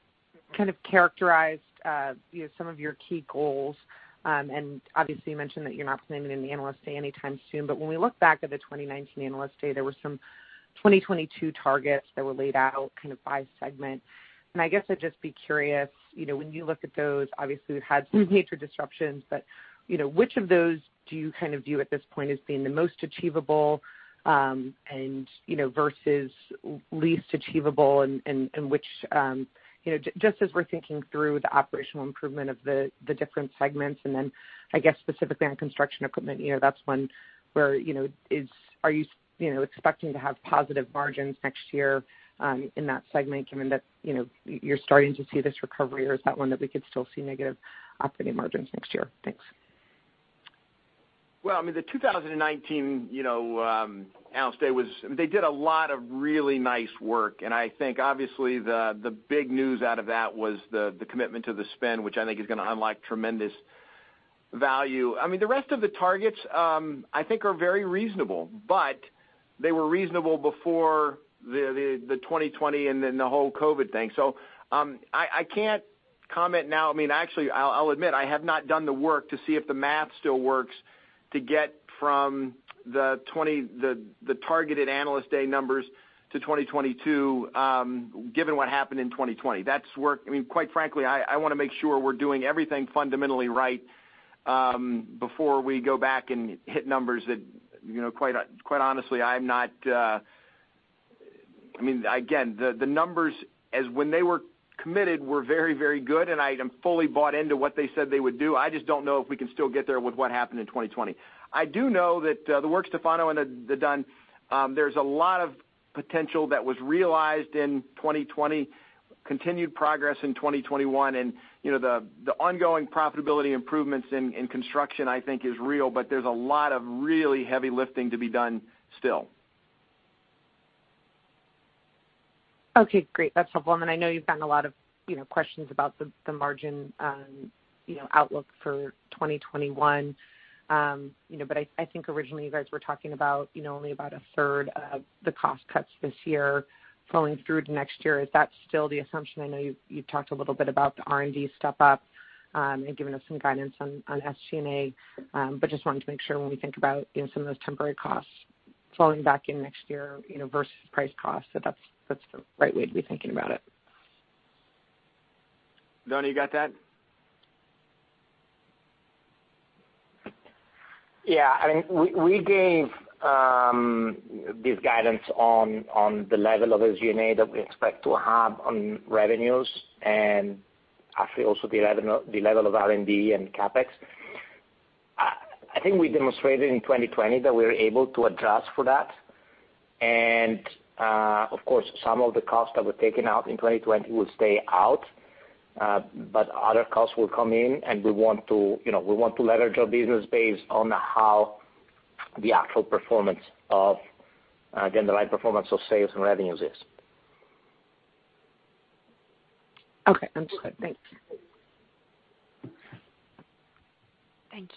kind of characterized some of your key goals, and obviously you mentioned that you're not planning any analyst day anytime soon, but when we look back at the 2019 analyst day, there were some 2022 targets that were laid out by segment. I guess I'd just be curious, when you look at those, obviously we've had some major disruptions, but which of those do you view at this point as being the most achievable versus least achievable? Just as we're thinking through the operational improvement of the different segments, and then I guess specifically on Construction Equipment, that's one where are you expecting to have positive margins next year in that segment, given that you're starting to see this recovery, or is that one that we could still see negative operating margins next year? Thanks. The 2019 analyst day, they did a lot of really nice work, and I think obviously the big news out of that was the commitment to the spin, which I think is going to unlock tremendous value. The rest of the targets I think are very reasonable, but they were reasonable before the 2020 and then the whole COVID thing. I can't comment now. Actually, I'll admit, I have not done the work to see if the math still works to get from the targeted analyst day numbers to 2022, given what happened in 2020. Quite frankly, I want to make sure we're doing everything fundamentally right before we go back and hit numbers that, quite honestly, again, the numbers as when they were committed were very, very good, and I am fully bought into what they said they would do. I just don't know if we can still get there with what happened in 2020. I do know that the work Stefano and they've done, there's a lot of potential that was realized in 2020, continued progress in 2021, and the ongoing profitability improvements in Construction I think is real, but there's a lot of really heavy lifting to be done still. Okay, great. That's helpful. I know you've gotten a lot of questions about the margin outlook for 2021. I think originally you guys were talking about only about a third of the cost cuts this year flowing through to next year. Is that still the assumption? I know you've talked a little bit about the R&D step-up and given us some guidance on SG&A, just wanted to make sure when we think about some of those temporary costs flowing back in next year versus price cost, that that's the right way to be thinking about it. Oddone, you got that? Yeah. We gave this guidance on the level of SG&A that we expect to have on revenues, and actually also the level of R&D and CapEx. I think we demonstrated in 2020 that we were able to adjust for that. Of course, some of the costs that were taken out in 2020 will stay out, but other costs will come in and we want to leverage our business based on how the actual performance of, again, the right performance of sales and revenues is. Okay. Understood. Thanks. Thank you.